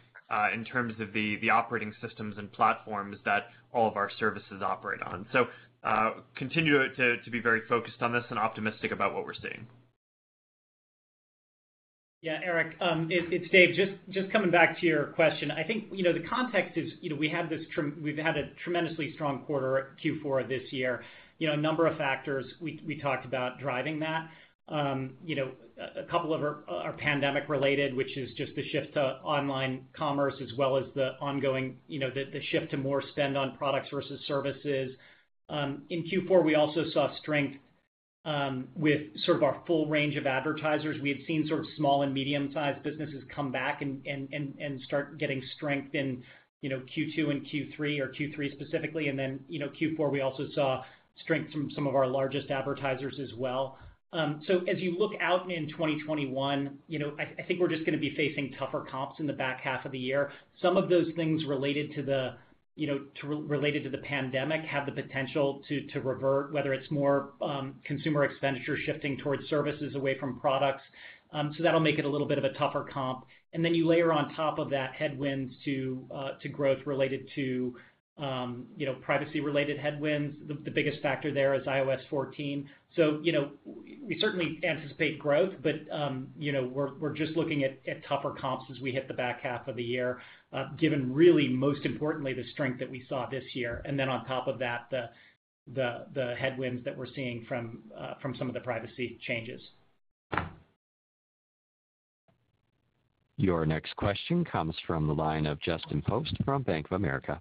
in terms of the operating systems and platforms that all of our services operate on. Continue to be very focused on this and optimistic about what we're seeing. Yeah, Eric, it's Dave. Just coming back to your question. I think, you know, the context is, you know, we've had a tremendously strong quarter at Q4 this year. You know, a number of factors we talked about driving that. You know, a couple of are pandemic-related, which is just the shift to online commerce as well as the ongoing, you know, the shift to more spend on products versus services. In Q4, we also saw strength with sort of our full range of advertisers. We had seen sort of small and medium-sized businesses come back and start getting strength in, you know, Q2 and Q3 or Q3 specifically. Then, you know, Q4, we also saw strength from some of our largest advertisers as well. As you look out in 2021, you know, I think we're just gonna be facing tougher comps in the back half of the year. Some of those things related to the, you know, related to the pandemic have the potential to revert. Whether it's more consumer expenditure shifting towards services away from products. That'll make it a little bit of a tougher comp. You layer on top of that headwinds to growth related to, you know, privacy-related headwinds. The biggest factor there is iOS 14. You know, we certainly anticipate growth, but, you know, we're just looking at tougher comps as we hit the back half of the year, given really most importantly the strength that we saw this year, and then on top of that the headwinds that we're seeing from some of the privacy changes. Your next question comes from the line of Justin Post from Bank of America.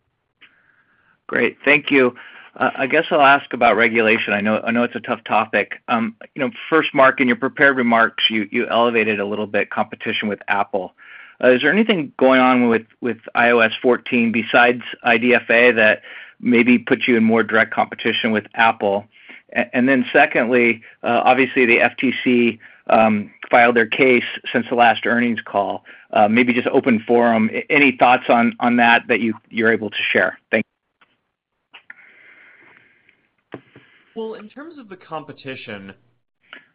Great. Thank you. I guess I'll ask about regulation. I know it's a tough topic. You know, first, Mark, in your prepared remarks you elevated a little bit competition with Apple. Is there anything going on with iOS 14 besides IDFA that maybe puts you in more direct competition with Apple? Then secondly, obviously the FTC filed their case since the last earnings call. Maybe just open forum any thoughts on that you're able to share? Thank you. Well, in terms of the competition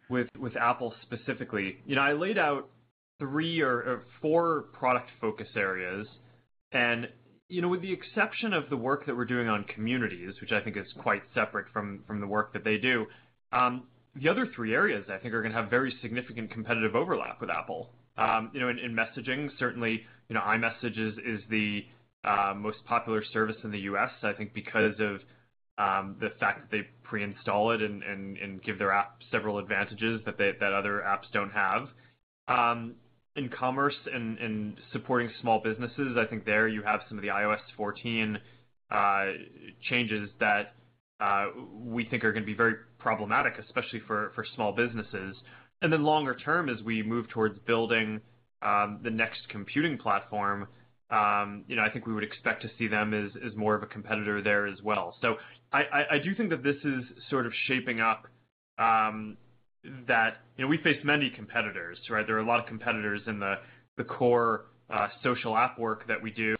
with Apple specifically, you know, I laid out three or four product focus areas. You know, with the exception of the work that we're doing on communities, which I think is quite separate from the work that they do, the other three areas I think are gonna have very significant competitive overlap with Apple. You know, in messaging certainly, you know, iMessage is the most popular service in the U.S. I think because of the fact that they pre-install it and give their app several advantages that other apps don't have. In commerce and supporting small businesses. I think there you have some of the iOS 14 changes that we think are gonna be very problematic, especially for small businesses. Longer term, as we move towards building, the next computing platform, you know, I think we would expect to see them as more of a competitor there as well. I do think that this is sort of shaping up, that you know, we face many competitors, right? There are a lot of competitors in the core, social app work that we do.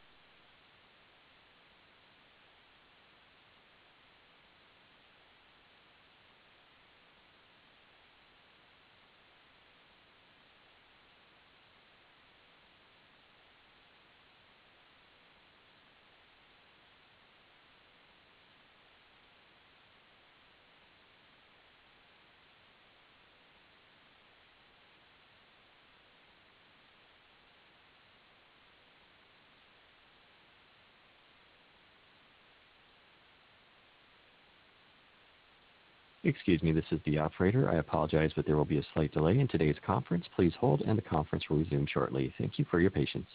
Excuse me. This is the operator. I apologize, but there will be a slight delay in today's conference. Please hold and the conference will resume shortly. Thank you for your patience.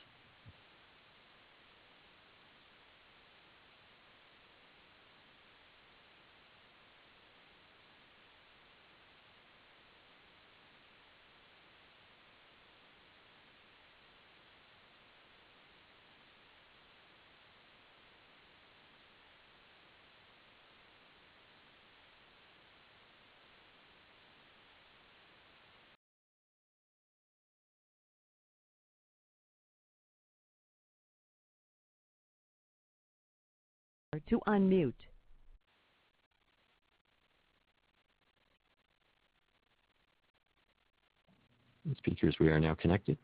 Speakers, we are now connected.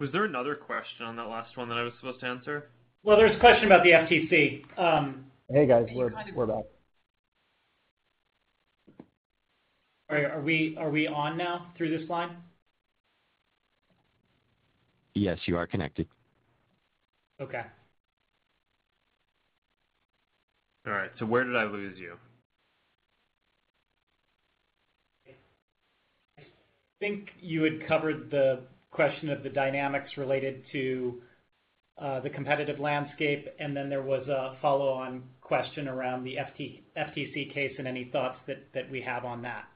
Was there another question on that last one that I was supposed to answer? Well, there was a question about the FTC. Hey, guys. We're back. All right. Are we on now through this line? Yes, you are connected. Okay. All right. Where did I lose you? I think you had covered the question of the dynamics related to the competitive landscape, and then there was a follow-on question around the FTC case and any thoughts that we have on that.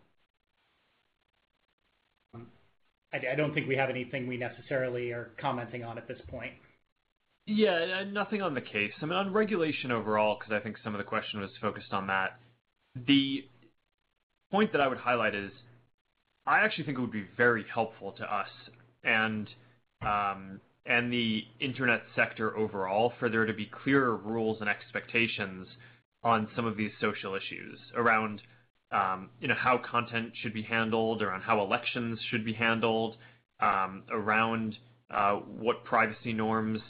I don't think we have anything we necessarily are commenting on at this point. Yeah, nothing on the case. I mean on regulation overall, 'cause I think some of the question was focused on that, the point that I would highlight is I actually think it would be very helpful to us and the internet sector overall for there to be clearer rules and expectations on some of these social issues around, you know, how content should be handled, around how elections should be handled, around what privacy norms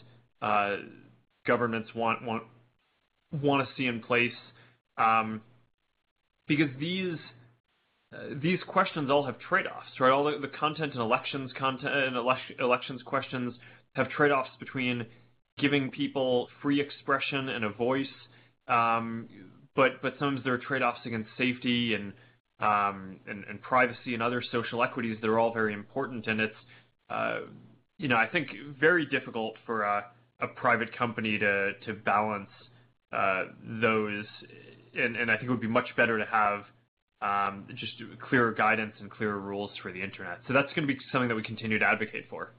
governments wanna see in place. Because these questions all have trade-offs, right? All the content and elections questions have trade-offs between giving people free expression and a voice. Sometimes there are trade-offs against safety and privacy and other social equities that are all very important. It's, you know, I think very difficult for a private company to balance those. I think it would be much better to have just clearer guidance and clearer rules for the internet. That's gonna be something that we continue to advocate for.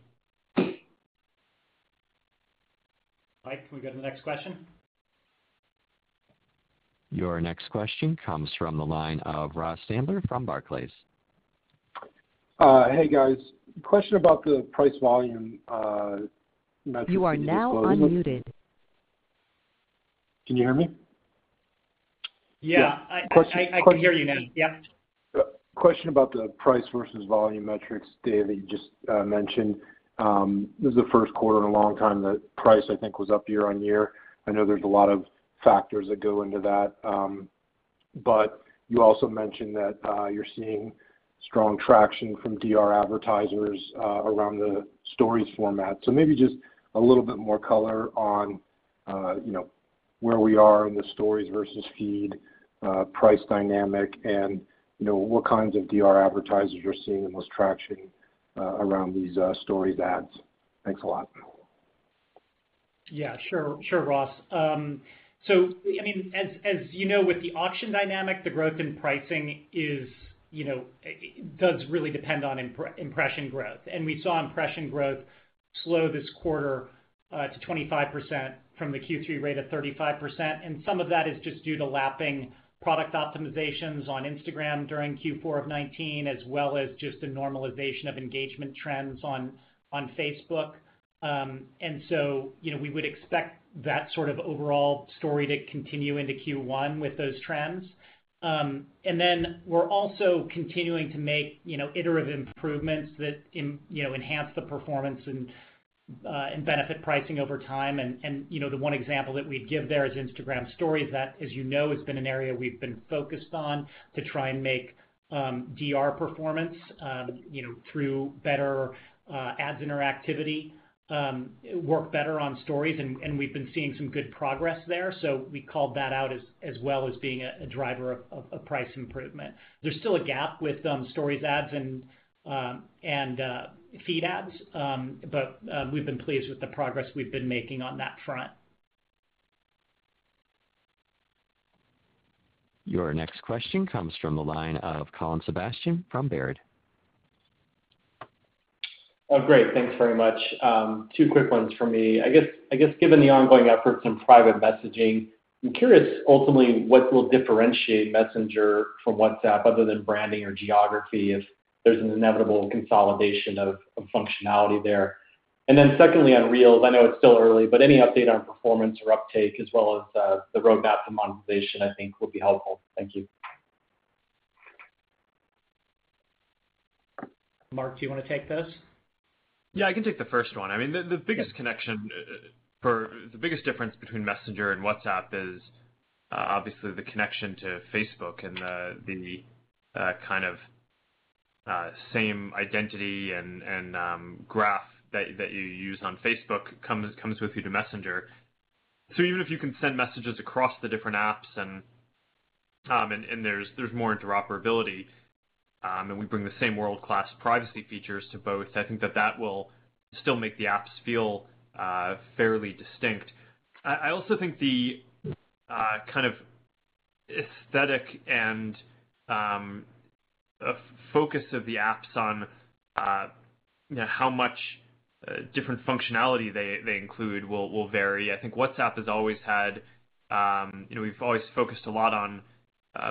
Mike, can we go to the next question? Your next question comes from the line of Ross Sandler from Barclays. Hey, guys. Question about the price volume metrics? Can you hear me? Yeah. I can hear you now. Yep. Question about the price versus volume metrics, Dave, that you just mentioned. This is the first quarter in a long time that price. I think, was up year-on-year. I know there's a lot of factors that go into that. You also mentioned that you're seeing strong traction from DR advertisers around the Stories format. Maybe just a little bit more color on, you know, where we are in the Stories versus Feed price dynamic and, you know, what kinds of DR advertisers you're seeing the most traction around these Stories ads. Thanks a lot. Yeah, sure Ross. I mean, as you know, with the auction dynamic, the growth in pricing is, you know, does really depend on impression growth. We saw impression growth slow this quarter to 25% from the Q3 rate of 35%, and some of that is just due to lapping product optimizations on Instagram during Q4 of 2019, as well as just a normalization of engagement trends on Facebook. You know, we would expect that sort of overall story to continue into Q1 with those trends. We're also continuing to make, you know, iterative improvements that, you know, enhance the performance and benefit pricing over time. You know, the one example that we'd give there is Instagram Stories. That, as you know, has been an area we've been focused on to try and make DR performance, you know, through better ads interactivity, work better on Stories, and we've been seeing some good progress there. We called that out as well as being a driver of price improvement. There's still a gap with Stories ads and feed ads. We've been pleased with the progress we've been making on that front. Your next question comes from the line of Colin Sebastian from Baird. Oh, great. Thanks very much. Two quick ones from me. I guess given the ongoing efforts in private messaging, I'm curious ultimately what will differentiate Messenger from WhatsApp other than branding or geography if there's an inevitable consolidation of functionality there. Secondly on Reels, I know it's still early, but any update on performance or uptake as well as the roadmap to monetization. I think, would be helpful. Thank you. Mark, do you wanna take this? Yeah, I can take the first one. I mean, the biggest difference between Messenger and WhatsApp is obviously the connection to Facebook and the same identity and graph that you use on Facebook comes with you to Messenger. Even if you can send messages across the different apps and there's more interoperability, and we bring the same world-class privacy features to both. I think that will still make the apps feel fairly distinct. I also think the kind of aesthetic and focus of the apps on, you know, how much different functionality they include will vary. I think WhatsApp has always had, you know, we've always focused a lot on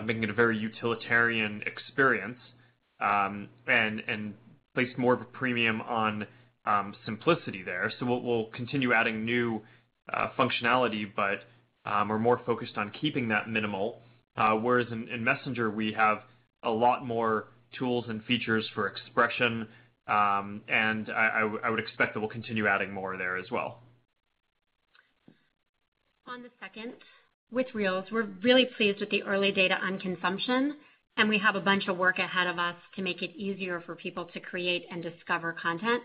making it a very utilitarian experience, and placed more of a premium on simplicity there. We'll continue adding new functionality, but we're more focused on keeping that minimal. In Messenger we have a lot more tools and features for expression. I would expect that we'll continue adding more there as well. On the second, with Reels, we're really pleased with the early data on consumption, and we have a bunch of work ahead of us to make it easier for people to create and discover content.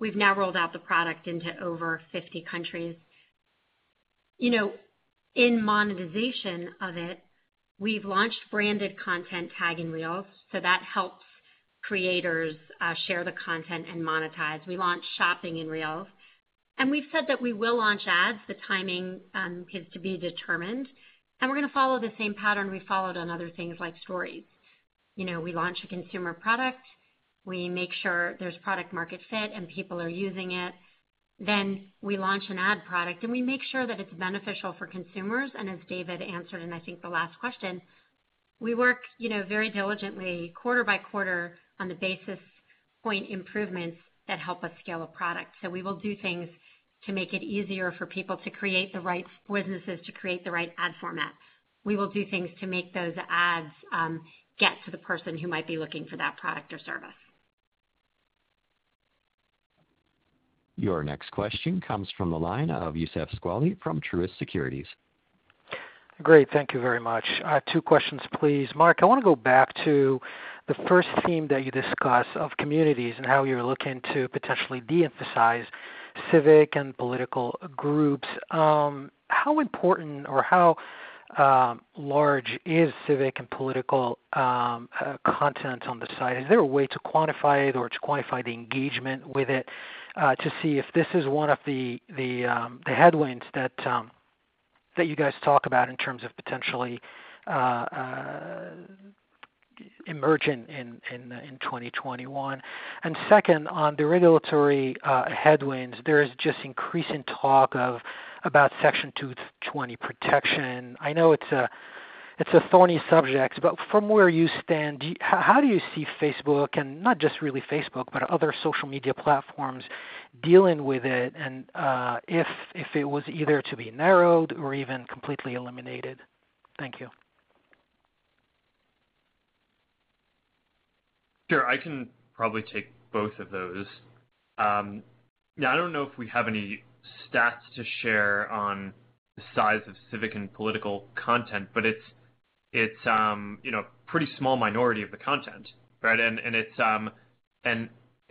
We've now rolled out the product into over 50 countries. You know, in monetization of it, we've launched branded content tag in Reels, so that helps creators share the content and monetize. We launched shopping in Reels, and we've said that we will launch ads. The timing is to be determined. We're gonna follow the same pattern we followed on other things like Stories. You know, we launch a consumer product, we make sure there's product market fit and people are using it, then we launch an ad product. We make sure that it's beneficial for consumers. As Dave Wehner answered in, I think, the last question. We work, you know, very diligently quarter by quarter on the basis point improvements that help us scale a product. We will do things to make it easier for people to create the right businesses to create the right ad format. We will do things to make those ads get to the person who might be looking for that product or service. Your next question comes from the line of Youssef Squali from Truist Securities. Great. Thank you very much. two questions please. Mark, I wanna go back to the first theme that you discussed of communities and how you're looking to potentially de-emphasize civic and political groups. How important or how large is civic and political content on the site? Is there a way to quantify it or to quantify the engagement with it to see if this is one of the headwinds that you guys talk about in terms of potentially emerging in 2021? Second, on the regulatory headwinds there is just increasing talk about Section 230 protection. I know it's a thorny subject, but from where you stand how do you see Facebook and not just really Facebook but other social media platforms dealing with it and if it was either to be narrowed or even completely eliminated? Thank you. Sure. I can probably take both of those. Yeah, I don't know if we have any stats to share on the size of civic and political content. But it's, you know, pretty small minority of the content, right? It's,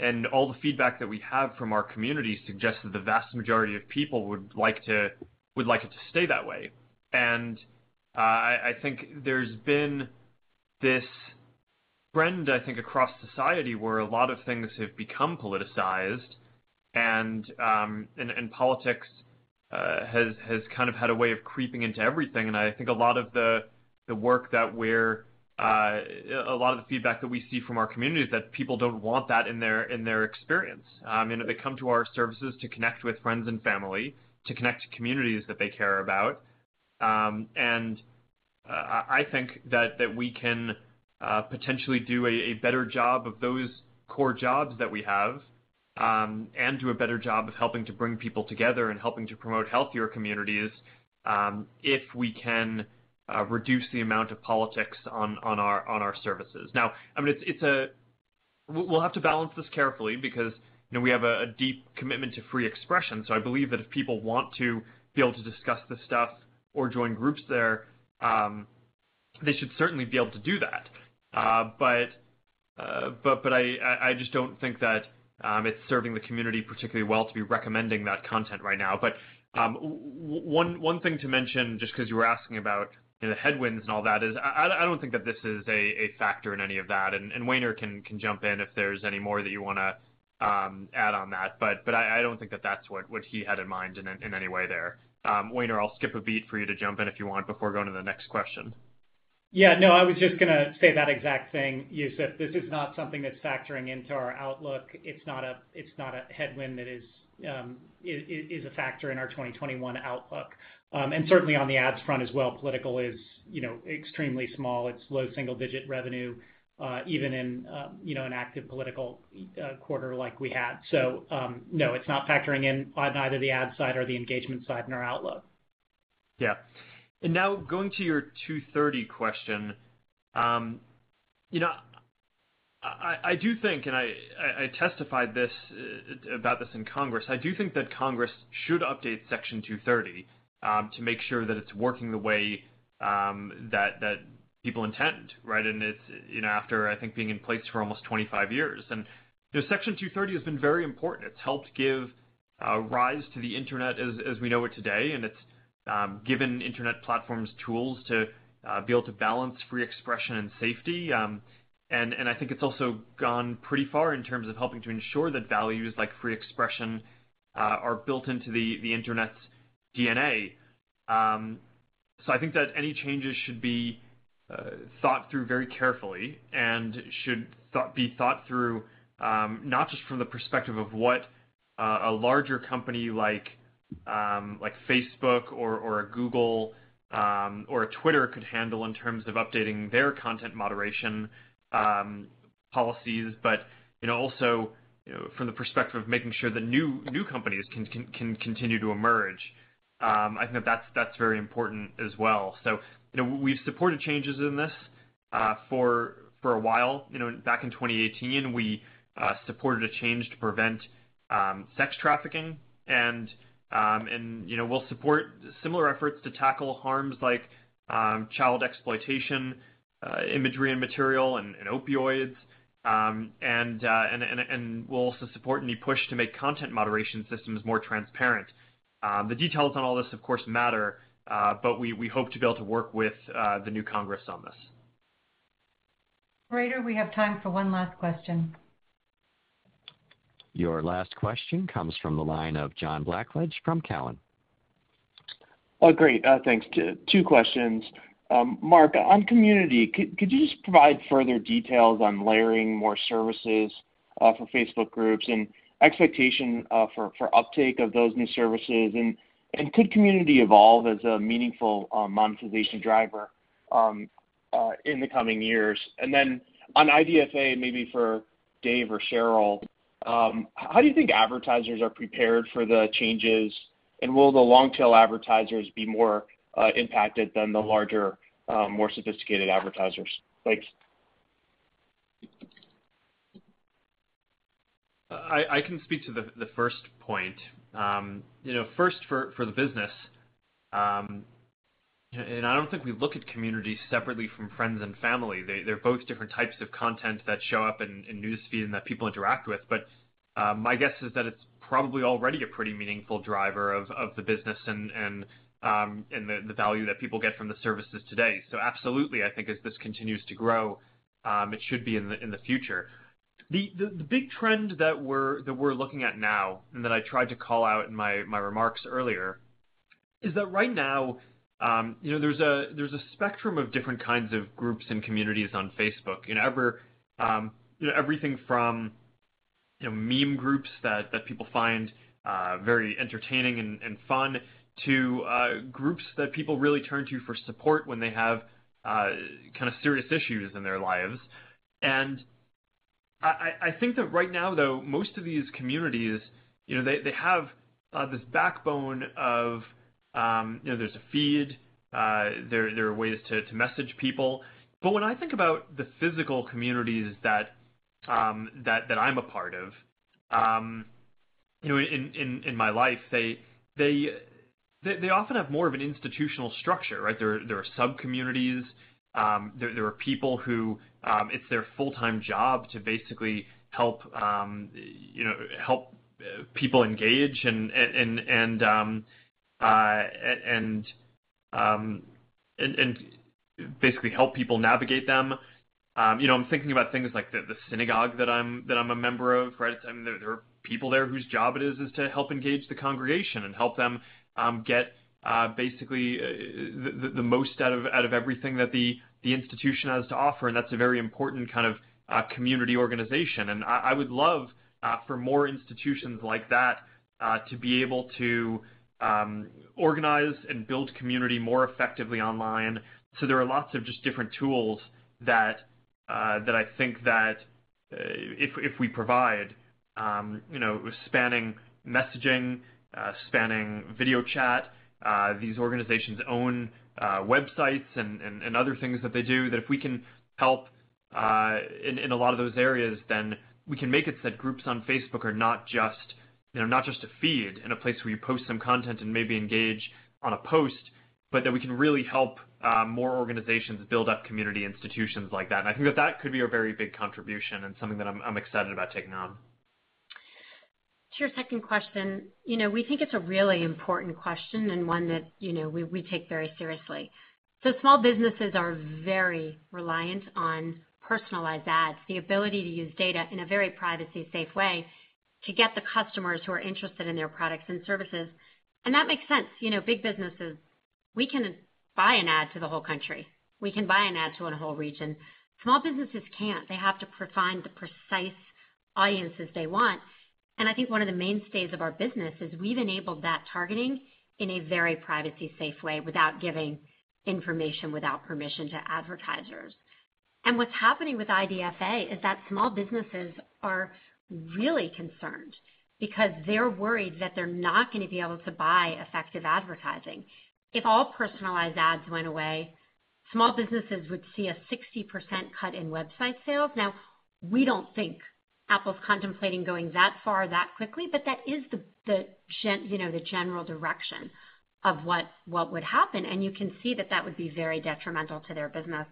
and all the feedback that we have from our community suggests that the vast majority of people would like to, would like it to stay that way. I think there's been this trend, I think, across society where a lot of things have become politicized and politics has kind of had a way of creeping into everything. I think a lot of the work that we're a lot of the feedback that we see from our community is that people don't want that in their experience. You know, they come to our services to connect with friends and family to connect to communities that they care about. I think that we can potentially do a better job of those core jobs that we have and do a better job of helping to bring people together and helping to promote healthier communities if we can reduce the amount of politics on our services. I mean, we'll have to balance this carefully because, you know, we have a deep commitment to free expression. I believe that if people want to be able to discuss this stuff or join groups there, they should certainly be able to do that. I just don't think that it's serving the community particularly well to be recommending that content right now. One thing to mention, just 'cause you were asking about the headwinds and all that is I don't think that this is a factor in any of that. Dave Wehner, can jump in if there's any more that you wanna ad on that. I don't think that that's what he had in mind in any way there. Dave Wehner, I'll skip a beat for you to jump in if you want before going to the next question. Yeah, no, I was just gonna say that exact thing, Youssef. This is not something that's factoring into our outlook. It's not a headwind that is a factor in our 2021 outlook. Certainly on the ads front as well, political is, you know, extremely small. It's low single-digit revenue, even in, you know, an active political quarter like we had. No, it's not factoring in on either the ad side or the engagement side in our outlook. Yeah. Now going to your 230 question, you know, I do think, and I testified this about this in Congress, I do think that Congress should update Section 230 to make sure that it's working the way that people intend, right? It's, you know, after I think, being in place for almost 25 years. You know, Section 230 has been very important. It's helped give rise to the internet as we know it today. It's given internet platforms tools to be able to balance free expression and safety. And I think it's also gone pretty far in terms of helping to ensure that values like free expression are built into the internet's DNA. I think that any changes should be thought through very carefully and should be thought through, not just from the perspective of what a larger company like Facebook or a Google or a Twitter could handle in terms of updating their content moderation policies but also, you know, from the perspective of making sure the new companies can continue to emerge. I think that's very important as well. You know, we've supported changes in this for a while. You know, back in 2018, we supported a change to prevent sex trafficking and, you know, we'll support similar efforts to tackle harms like child exploitation imagery and material and opioids. We'll also support any push to make content moderation systems more transparent. The details on all this of course matter, but we hope to be able to work with the new Congress on this. Operator, we have time for one last question. Your last question comes from the line of John Blackledge from Cowen. Great. Thanks. Two questions. Mark, on community, could you just provide further details on layering more services for Facebook Groups and expectation for uptake of those new services? Could community evolve as a meaningful monetization driver in the coming years? On IDFA, maybe for Dave or Sheryl, how do you think advertisers are prepared for the changes? Will the long tail advertisers be more impacted than the larger, more sophisticated advertisers? Thanks. I can speak to the first point. you know, first for the business, I don't think we look at community separately from friends and family. They're both different types of content that show up in News Feed and that people interact with. My guess is that it's probably already a pretty meaningful driver of the business and the value that people get from the services today. Absolutely, I think as this continues to grow, it should be in the future. The big trend that we're looking at now, and that I tried to call out in my remarks earlier, is that right now, you know, there's a spectrum of different kinds of groups and communities on Facebook. You know, everything from, you know, meme groups that people find very entertaining and fun to groups that people really turn to for support when they have kind of serious issues in their lives. I think that right now, though, most of these communities, you know, they have this backbone of, you know, there's a feed, there are ways to message people. When I think about the physical communities that I'm a part of, you know, in my life. They often have more of an institutional structure, right? There are sub-communities. There are people who, it's their full-time job to basically help, you know, people engage and basically help people navigate them. You know, I'm thinking about things like the synagogue that I'm a member of, right? I mean, there are people there whose job it is to help engage the congregation and help them get basically the most out of everything that the institution has to offer. That's a very important kind of community organization. I would love for more institutions like that to be able to organize and build community more effectively online. There are lots of just different tools that I think that if we provide, you know, spanning messaging, spanning video chat, these organizations' own websites and other things that they do, that if we can help in a lot of those areas, then we can make it so that groups on Facebook are not just, you know, not just a feed and a place where you post some content and maybe engage on a post, but that we can really help more organizations build up community institutions like that. I think that that could be a very big contribution and something that I'm excited about taking on. To your second question, you know, we think it's a really important question and one that, you know, we take very seriously. Small businesses are very reliant on personalized ads, the ability to use data in a very privacy safe way to get the customers who are interested in their products and services. That makes sense. You know, big businesses, we can buy an ad to the whole country. We can buy an ad to a whole region. Small businesses can't. They have to find the precise audiences they want. I think one of the mainstays of our business is we've enabled that targeting in a very privacy-safe way without giving information without permission to advertisers. What's happening with IDFA is that small businesses are really concerned because they're worried that they're not gonna be able to buy effective advertising. If all personalized ads went away, small businesses would see a 60% cut in website sales. We don't think Apple's contemplating going that far that quickly, but that is the general direction of what would happen. You can see that that would be very detrimental to their business.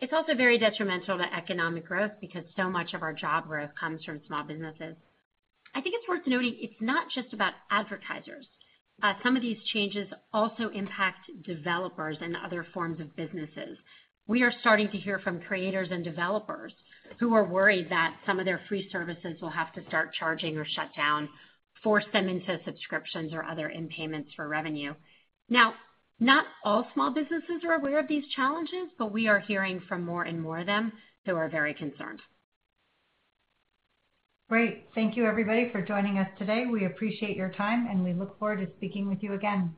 It's also very detrimental to economic growth because so much of our job growth comes from small businesses. I think it's worth noting, it's not just about advertisers. Some of these changes also impact developers and other forms of businesses. We are starting to hear from creators and developers who are worried that some of their free services will have to start charging or shut down, force them into subscriptions or other in payments for revenue. Now, not all small businesses are aware of these challenges, but we are hearing from more and more of them who are very concerned. Great. Thank you everybody for joining us today. We appreciate your time, and we look forward to speaking with you again.